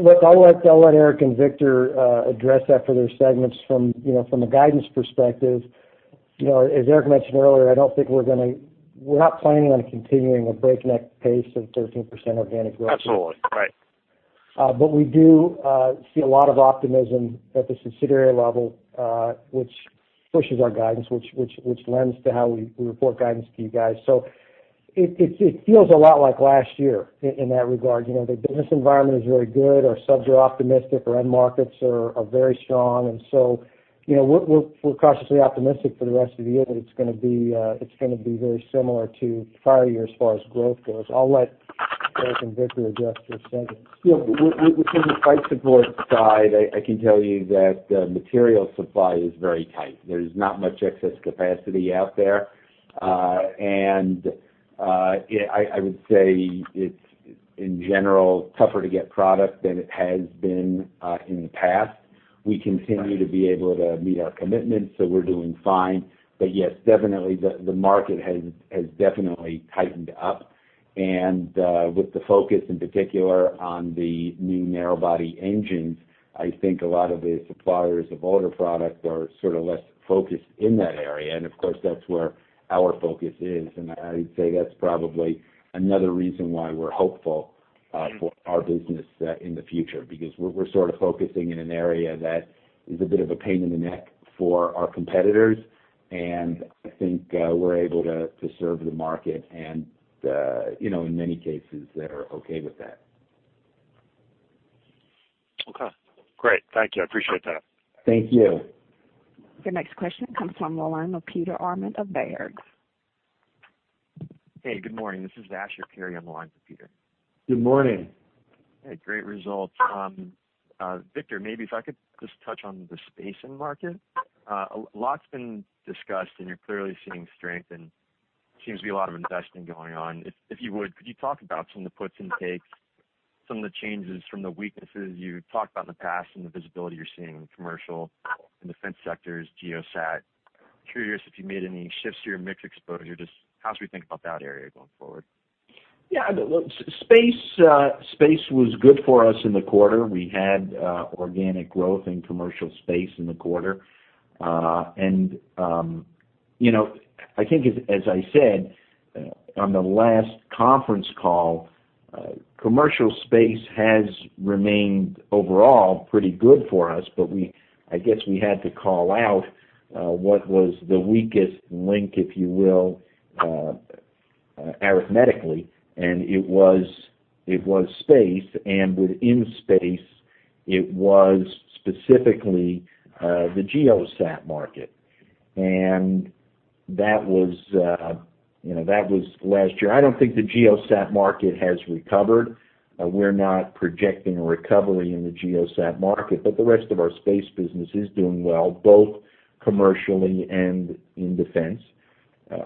Look, I'll let Eric and Victor address that for their segments. From a guidance perspective, as Eric mentioned earlier, we're not planning on continuing a breakneck pace of 13% organic growth. Absolutely. Right. We do see a lot of optimism at the subsidiary level, which pushes our guidance, which lends to how we report guidance to you guys. It feels a lot like last year, in that regard. The business environment is very good. Our subs are optimistic. Our end markets are very strong, and so we're cautiously optimistic for the rest of the year that it's going to be very similar to prior years as far as growth goes. I'll let Eric and Victor address their segments. From the flight support side, I can tell you that material supply is very tight. There's not much excess capacity out there. I would say it's, in general, tougher to get product than it has been in the past. We continue to be able to meet our commitments, so we're doing fine. Yes, definitely, the market has definitely tightened up, and with the focus in particular on the new narrow body engines, I think a lot of the suppliers of older products are sort of less focused in that area. Of course, that's where our focus is, and I'd say that's probably another reason why we're hopeful for our business set in the future. We're sort of focusing in an area that is a bit of a pain in the neck for our competitors, and I think we're able to serve the market, and in many cases, they're okay with that. Okay, great. Thank you. I appreciate that. Thank you. Your next question comes from the line of Peter Arment of Baird. Hey, good morning. This is Asher Carey on the line for Peter. Good morning. Hey, great results. Victor, maybe if I could just touch on the space market. A lot's been discussed, you're clearly seeing strength, there seems to be a lot of investing going on. If you would, could you talk about some of the puts and takes, some of the changes from the weaknesses you talked about in the past, and the visibility you're seeing in the commercial and defense sectors, GEO, SAT? Curious if you made any shifts to your mix exposure. Just how should we think about that area going forward? Yeah, look, space was good for us in the quarter. We had organic growth in commercial space in the quarter. I think as I said on the last conference call, commercial space has remained overall pretty good for us. I guess we had to call out what was the weakest link, if you will, arithmetically, it was space, within space, it was specifically the GEO satellite market. That was last year. I don't think the GEO satellite market has recovered. We're not projecting a recovery in the GEO satellite market. The rest of our space business is doing well, both commercially and in defense.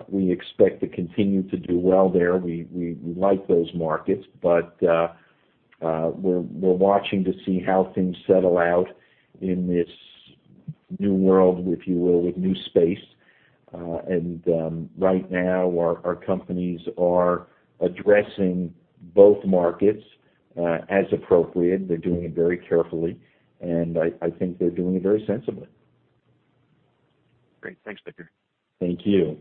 We expect to continue to do well there. We like those markets. We're watching to see how things settle out in this new world, if you will, with new space. Right now, our companies are addressing both markets as appropriate. They're doing it very carefully, I think they're doing it very sensibly. Great. Thanks, Victor. Thank you.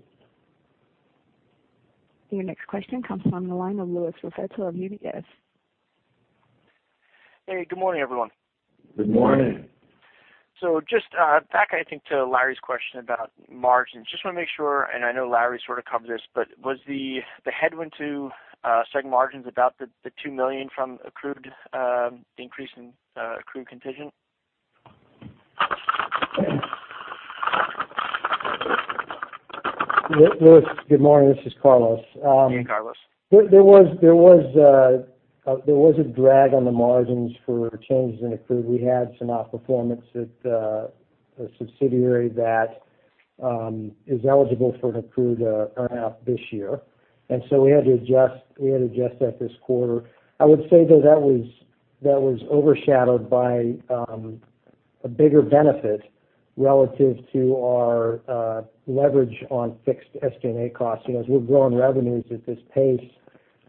Your next question comes from the line of Louis Raffetto of UBS. Hey, good morning, everyone. Good morning. Just back, I think, to Larry's question about margins. Just want to make sure, and I know Larry sort of covered this, but was the headwind to segment margins about the $2 million from the increase in accrued contingent? Louis, good morning. This is Carlos. Hey, Carlos. There was a drag on the margins for changes in accrued. We had some outperformance at a subsidiary that is eligible for an accrued earn-out this year. We had to adjust that this quarter. I would say, though, that was overshadowed by a bigger benefit relative to our leverage on fixed SG&A costs. As we're growing revenues at this pace,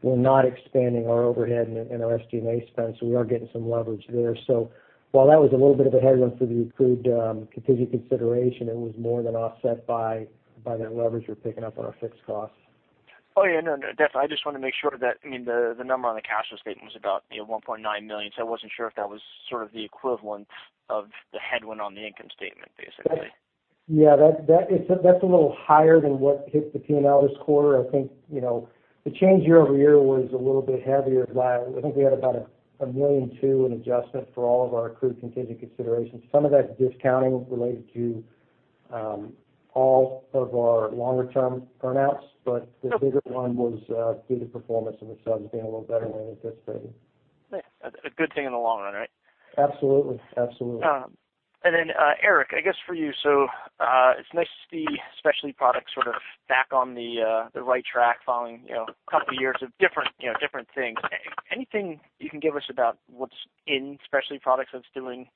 we're not expanding our overhead and our SG&A spend, we are getting some leverage there. While that was a little bit of a headwind for the accrued contingent consideration, it was more than offset by that leverage we're picking up on our fixed costs. Oh, yeah. No, definitely. I just wanted to make sure of that. The number on the cash flow statement was about $1.9 million. I wasn't sure if that was sort of the equivalent of the headwind on the income statement, basically. Yeah, that's a little higher than what hit the P&L this quarter. I think the change year-over-year was a little bit heavier. I think we had about $1.2 million in adjustment for all of our accrued contingent considerations. Some of that's discounting related to all of our longer-term earn-outs, the bigger one was due to performance and the subs being a little better than we anticipated. Yeah. A good thing in the long run, right? Absolutely. Eric, I guess for you, so it's nice to see Specialty Products sort of back on the right track following a couple of years of different things. Anything you can give us about what's in Specialty Products that's doing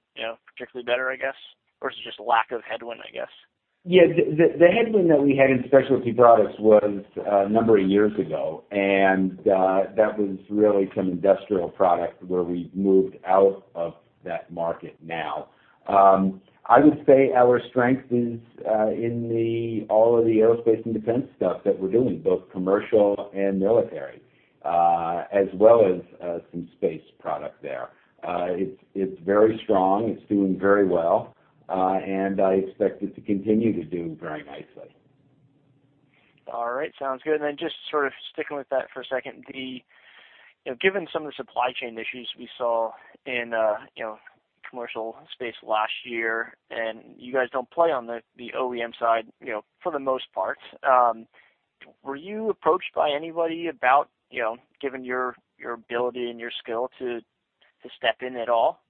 particularly better, I guess? Or is it just lack of headwind, I guess? Yeah. The headwind that we had in Specialty Products was a number of years ago, and that was really some industrial product where we've moved out of that market now. I would say our strength is in all of the aerospace and defense stuff that we're doing, both commercial and military, as well as some space product there. It's very strong. It's doing very well. I expect it to continue to do very nicely. All right. Sounds good. Just sort of sticking with that for a second, given some of the supply chain issues we saw in commercial space last year, and you guys don't play on the OEM side for the most part, were you approached by anybody about given your ability and your skill to step in at all?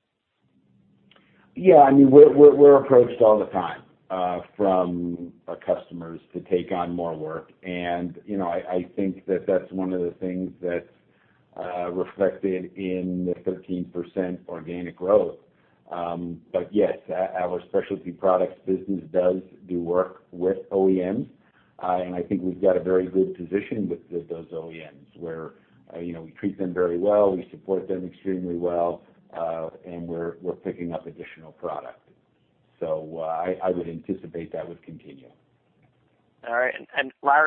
Yeah. We're approached all the time from our customers to take on more work, and I think that that's one of the things that's reflected in the 13% organic growth. Yes, our Specialty Products business does do work with OEMs, and I think we've got a very good position with those OEMs where we treat them very well, we support them extremely well, and we're picking up additional product. I would anticipate that would continue. Larry,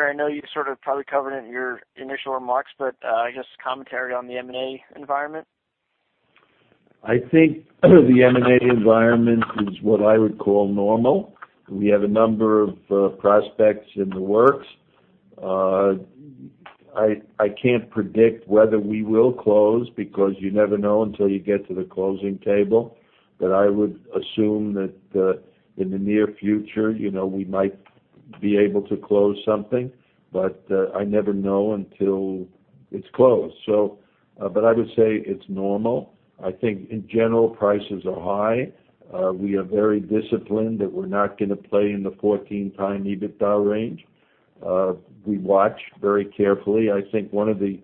I know you sort of probably covered it in your initial remarks, I guess commentary on the M&A environment? I think the M&A environment is what I would call normal. We have a number of prospects in the works. I can't predict whether we will close because you never know until you get to the closing table. I would assume that in the near future we might be able to close something. I never know until it's closed. I would say it's normal. I think in general, prices are high. We are very disciplined that we're not going to play in the 14x EBITDA range. We watch very carefully. I think one of the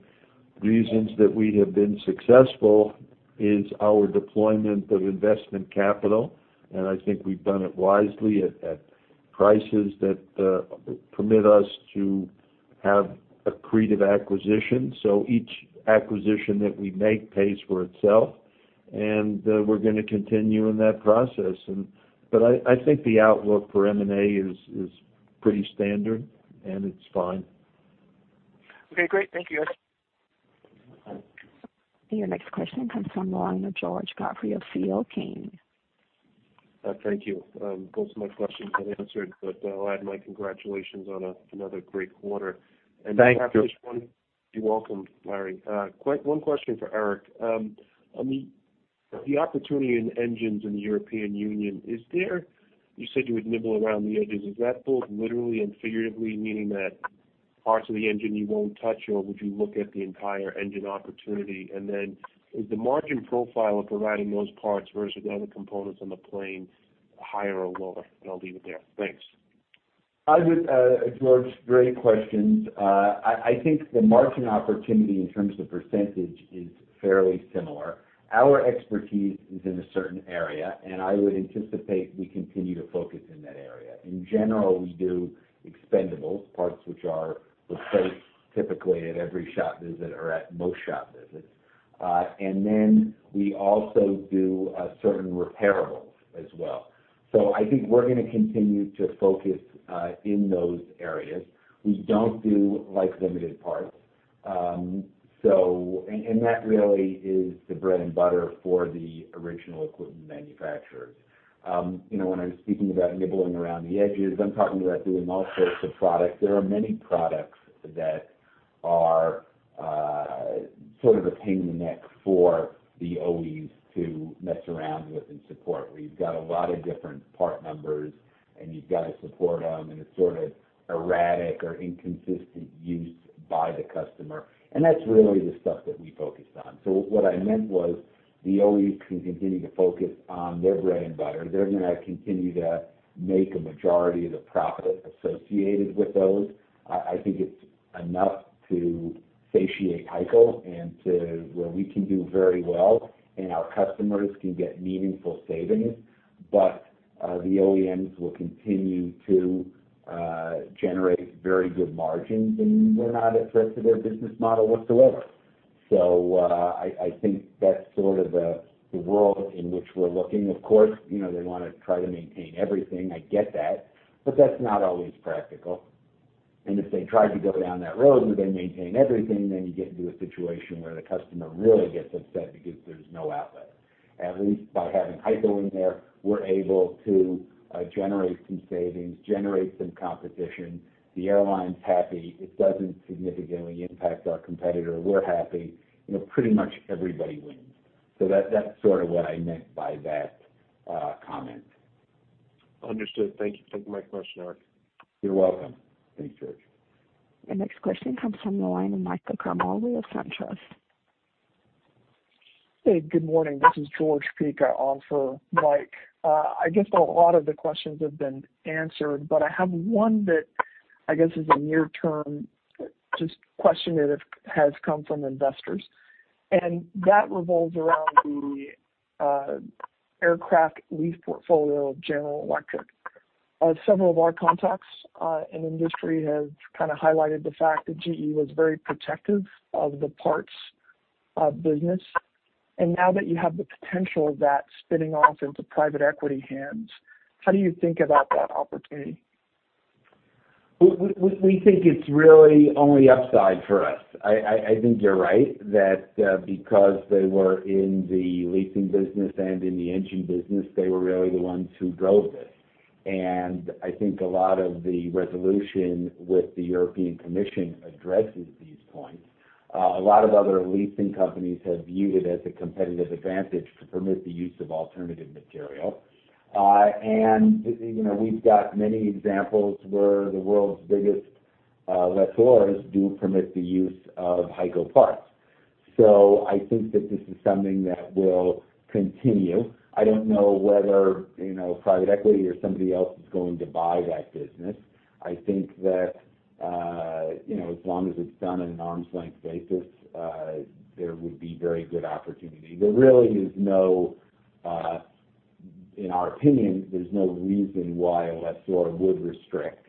reasons that we have been successful is our deployment of investment capital, and I think we've done it wisely at prices that permit us to have accretive acquisitions. Each acquisition that we make pays for itself, and we're going to continue in that process. I think the outlook for M&A is pretty standard, and it's fine. Okay, great. Thank you, guys. Your next question comes from the line of George Godfrey of C.L. King. Thank you. Both my questions got answered. I'll add my congratulations on another great quarter. Thank you. You're welcome, Larry. One question for Eric. The opportunity in engines in the European Union, you said you would nibble around the edges. Is that both literally and figuratively meaning that parts of the engine you won't touch, or would you look at the entire engine opportunity? Is the margin profile of providing those parts versus the other components on the plane higher or lower? I'll leave it there. Thanks. George, great questions. I think the margin opportunity in terms of percentage is fairly similar. Our expertise is in a certain area, and I would anticipate we continue to focus in that area. In general, we do expendables, parts which are replaced typically at every shop visit or at most shop visits. We also do certain repairables as well. I think we're going to continue to focus in those areas. We don't do limited parts. That really is the bread and butter for the original equipment manufacturers. When I'm speaking about nibbling around the edges, I'm talking about doing all sorts of products. There are many products that are sort of a pain in the neck for the OEs to mess around with and support, where you've got a lot of different part numbers, and you've got to support them, and it's sort of erratic or inconsistent use by the customer. That's really the stuff that we focused on. What I meant was the OEs can continue to focus on their bread and butter. They're going to continue to make a majority of the profit associated with those. I think it's enough to satiate HEICO, and where we can do very well, and our customers can get meaningful savings. The OEMs will continue to generate very good margins, and they're not at risk to their business model whatsoever. I think that's sort of the world in which we're looking. Of course, they want to try to maintain everything. I get that. That's not always practical. If they try to go down that road where they maintain everything, then you get into a situation where the customer really gets upset because there's no outlet. At least by having HEICO in there, we're able to generate some savings, generate some competition. The airline's happy. It doesn't significantly impact our competitor. We're happy. Pretty much everybody wins. That's sort of what I meant by that comment. Understood. Thank you. Thank you for my question, Eric. You're welcome. Thanks, George. The next question comes from the line of Michael Ciarmoli of SunTrust. Hey, good morning. This is Jorge Pica on for Mike. I guess a lot of the questions have been answered, but I have one that I guess is a near term, just question that has come from investors, and that revolves around the aircraft lease portfolio of General Electric. Now that you have the potential of that spinning off into private equity hands, how do you think about that opportunity? We think it's really only upside for us. I think you're right, that because they were in the leasing business and in the engine business, they were really the ones who drove this. I think a lot of the resolution with the European Commission addresses these points. A lot of other leasing companies have viewed it as a competitive advantage to permit the use of alternative material. We've got many examples where the world's biggest lessors do permit the use of HEICO parts. I think that this is something that will continue. I don't know whether private equity or somebody else is going to buy that business. I think that as long as it's done in an arm's length basis, there would be very good opportunity. In our opinion, there's no reason why a lessor would restrict.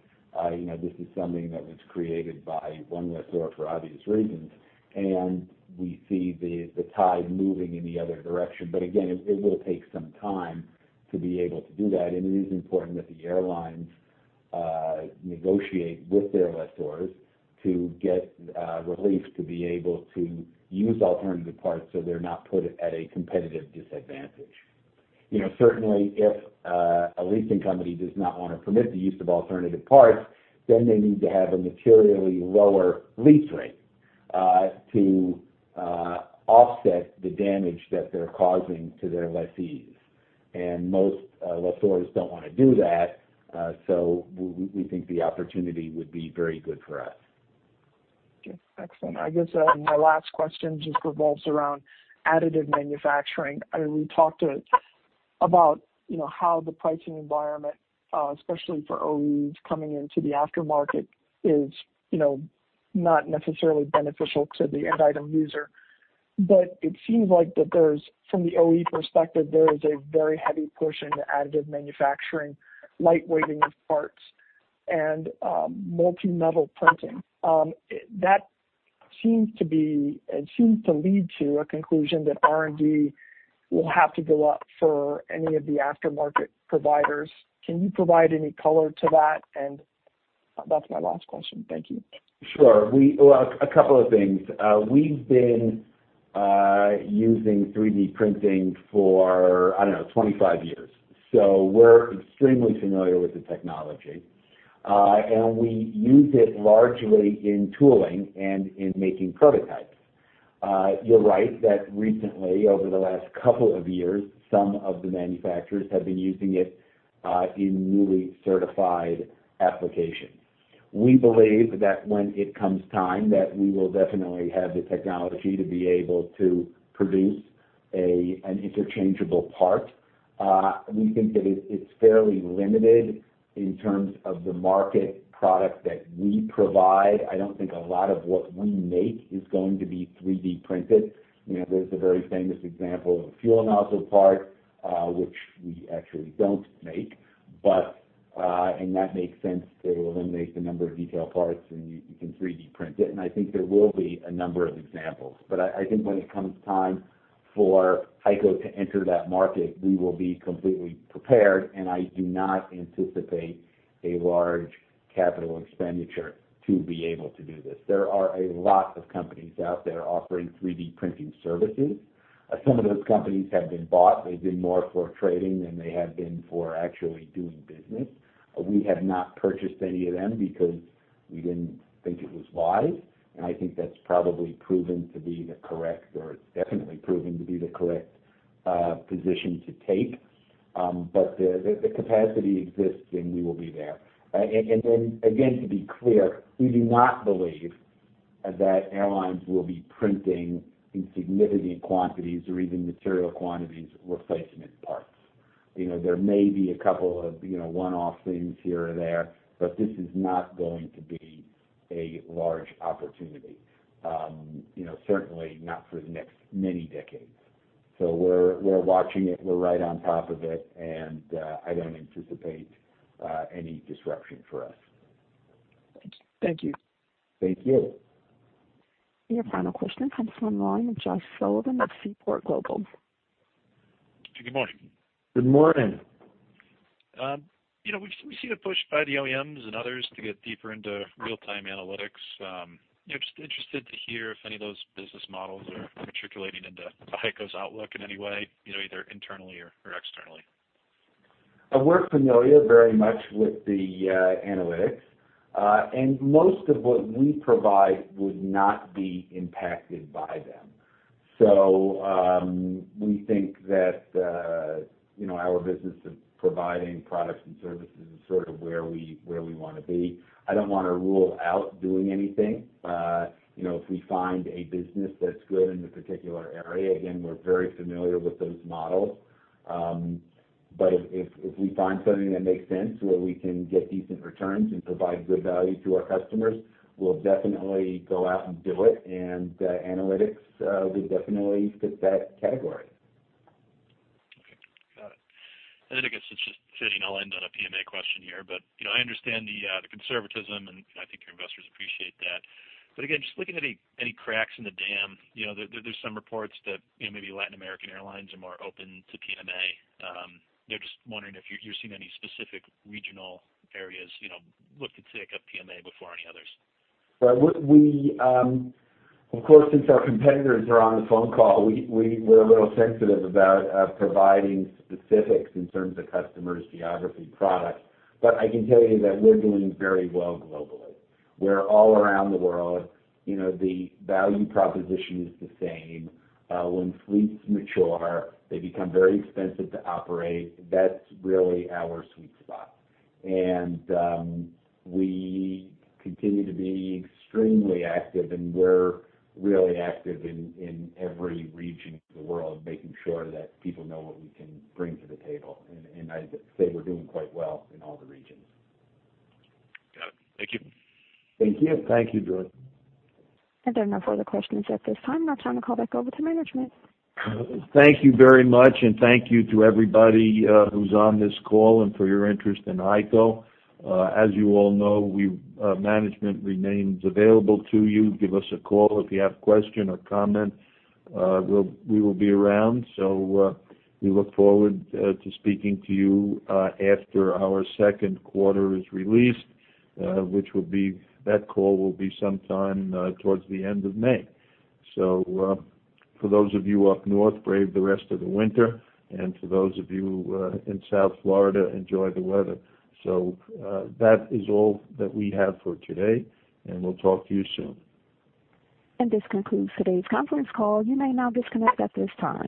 This is something that was created by one lessor for obvious reasons, we see the tide moving in the other direction. Again, it will take some time to be able to do that, and it is important that the airlines negotiate with their lessors to get relief to be able to use alternative parts so they're not put at a competitive disadvantage. Certainly, if a leasing company does not want to permit the use of alternative parts, then they need to have a materially lower lease rate to offset the damage that they're causing to their lessees. Most lessors don't want to do that. We think the opportunity would be very good for us. Okay. Excellent. I guess my last question just revolves around additive manufacturing. We talked about how the pricing environment, especially for OEs coming into the aftermarket, is not necessarily beneficial to the end item user. It seems like that from the OE perspective, there is a very heavy push into additive manufacturing, lightweighting of parts, and multi-metal printing. That seems to lead to a conclusion that R&D will have to go up for any of the aftermarket providers. Can you provide any color to that? That's my last question. Thank you. Sure. Well, a couple of things. We've been using 3D printing for, I don't know, 25 years. We're extremely familiar with the technology. We used it largely in tooling and in making prototypes. You're right, that recently, over the last couple of years, some of the manufacturers have been using it in newly certified applications. We believe that when it comes time, that we will definitely have the technology to be able to produce an interchangeable part. We think that it's fairly limited in terms of the market product that we provide. I don't think a lot of what we make is going to be 3D printed. There's a very famous example of a fuel nozzle part, which we actually don't make. That makes sense to eliminate the number of detail parts and you can 3D print it. I think there will be a number of examples. I think when it comes time for HEICO to enter that market, we will be completely prepared, and I do not anticipate a large capital expenditure to be able to do this. There are a lot of companies out there offering 3D printing services. Some of those companies have been bought. They've been more for trading than they have been for actually doing business. We have not purchased any of them because we didn't think it was wise, and I think that's probably proven to be the correct, or it's definitely proven to be the correct, position to take. The capacity exists, and we will be there. Then, again, to be clear, we do not believe that airlines will be printing in significant quantities or even material quantities replacement parts. There may be a couple of one-off things here or there, but this is not going to be a large opportunity. Certainly not for the next many decades. We're watching it, we're right on top of it, and I don't anticipate any disruption for us. Thank you. Thank you. Your final question comes from the line of Josh Sullivan of Seaport Global. Good morning. Good morning. We see the push by the OEMs and others to get deeper into real-time analytics. Just interested to hear if any of those business models are matriculating into HEICO's outlook in any way, either internally or externally. We're familiar very much with the analytics. Most of what we provide would not be impacted by them. We think that our business of providing products and services is sort of where we want to be. I don't want to rule out doing anything. If we find a business that's good in the particular area, again, we're very familiar with those models. If we find something that makes sense where we can get decent returns and provide good value to our customers, we'll definitely go out and do it, and analytics would definitely fit that category. Okay. Got it. I guess it's just fitting I'll end on a PMA question here. I understand the conservatism and I think your investors appreciate that. Again, just looking at any cracks in the dam. There's some reports that maybe Latin American airlines are more open to PMA. They're just wondering if you're seeing any specific regional areas looked to take up PMA before any others. Well, of course, since our competitors are on the phone call, we're a little sensitive about providing specifics in terms of customers, geography, products. I can tell you that we're doing very well globally. We're all around the world. The value proposition is the same. When fleets mature, they become very expensive to operate. That's really our sweet spot. We continue to be extremely active and we're really active in every region of the world, making sure that people know what we can bring to the table. I say we're doing quite well in all the regions. Got it. Thank you. Thank you. Thank you, Josh. There are no further questions at this time. I'll turn the call back over to management. Thank you very much, and thank you to everybody who's on this call, and for your interest in HEICO. As you all know, management remains available to you. Give us a call if you have question or comment. We will be around. We look forward to speaking to you after our second quarter is released, that call will be sometime towards the end of May. For those of you up north, brave the rest of the winter. To those of you in South Florida, enjoy the weather. That is all that we have for today, and we'll talk to you soon. This concludes today's conference call. You may now disconnect at this time.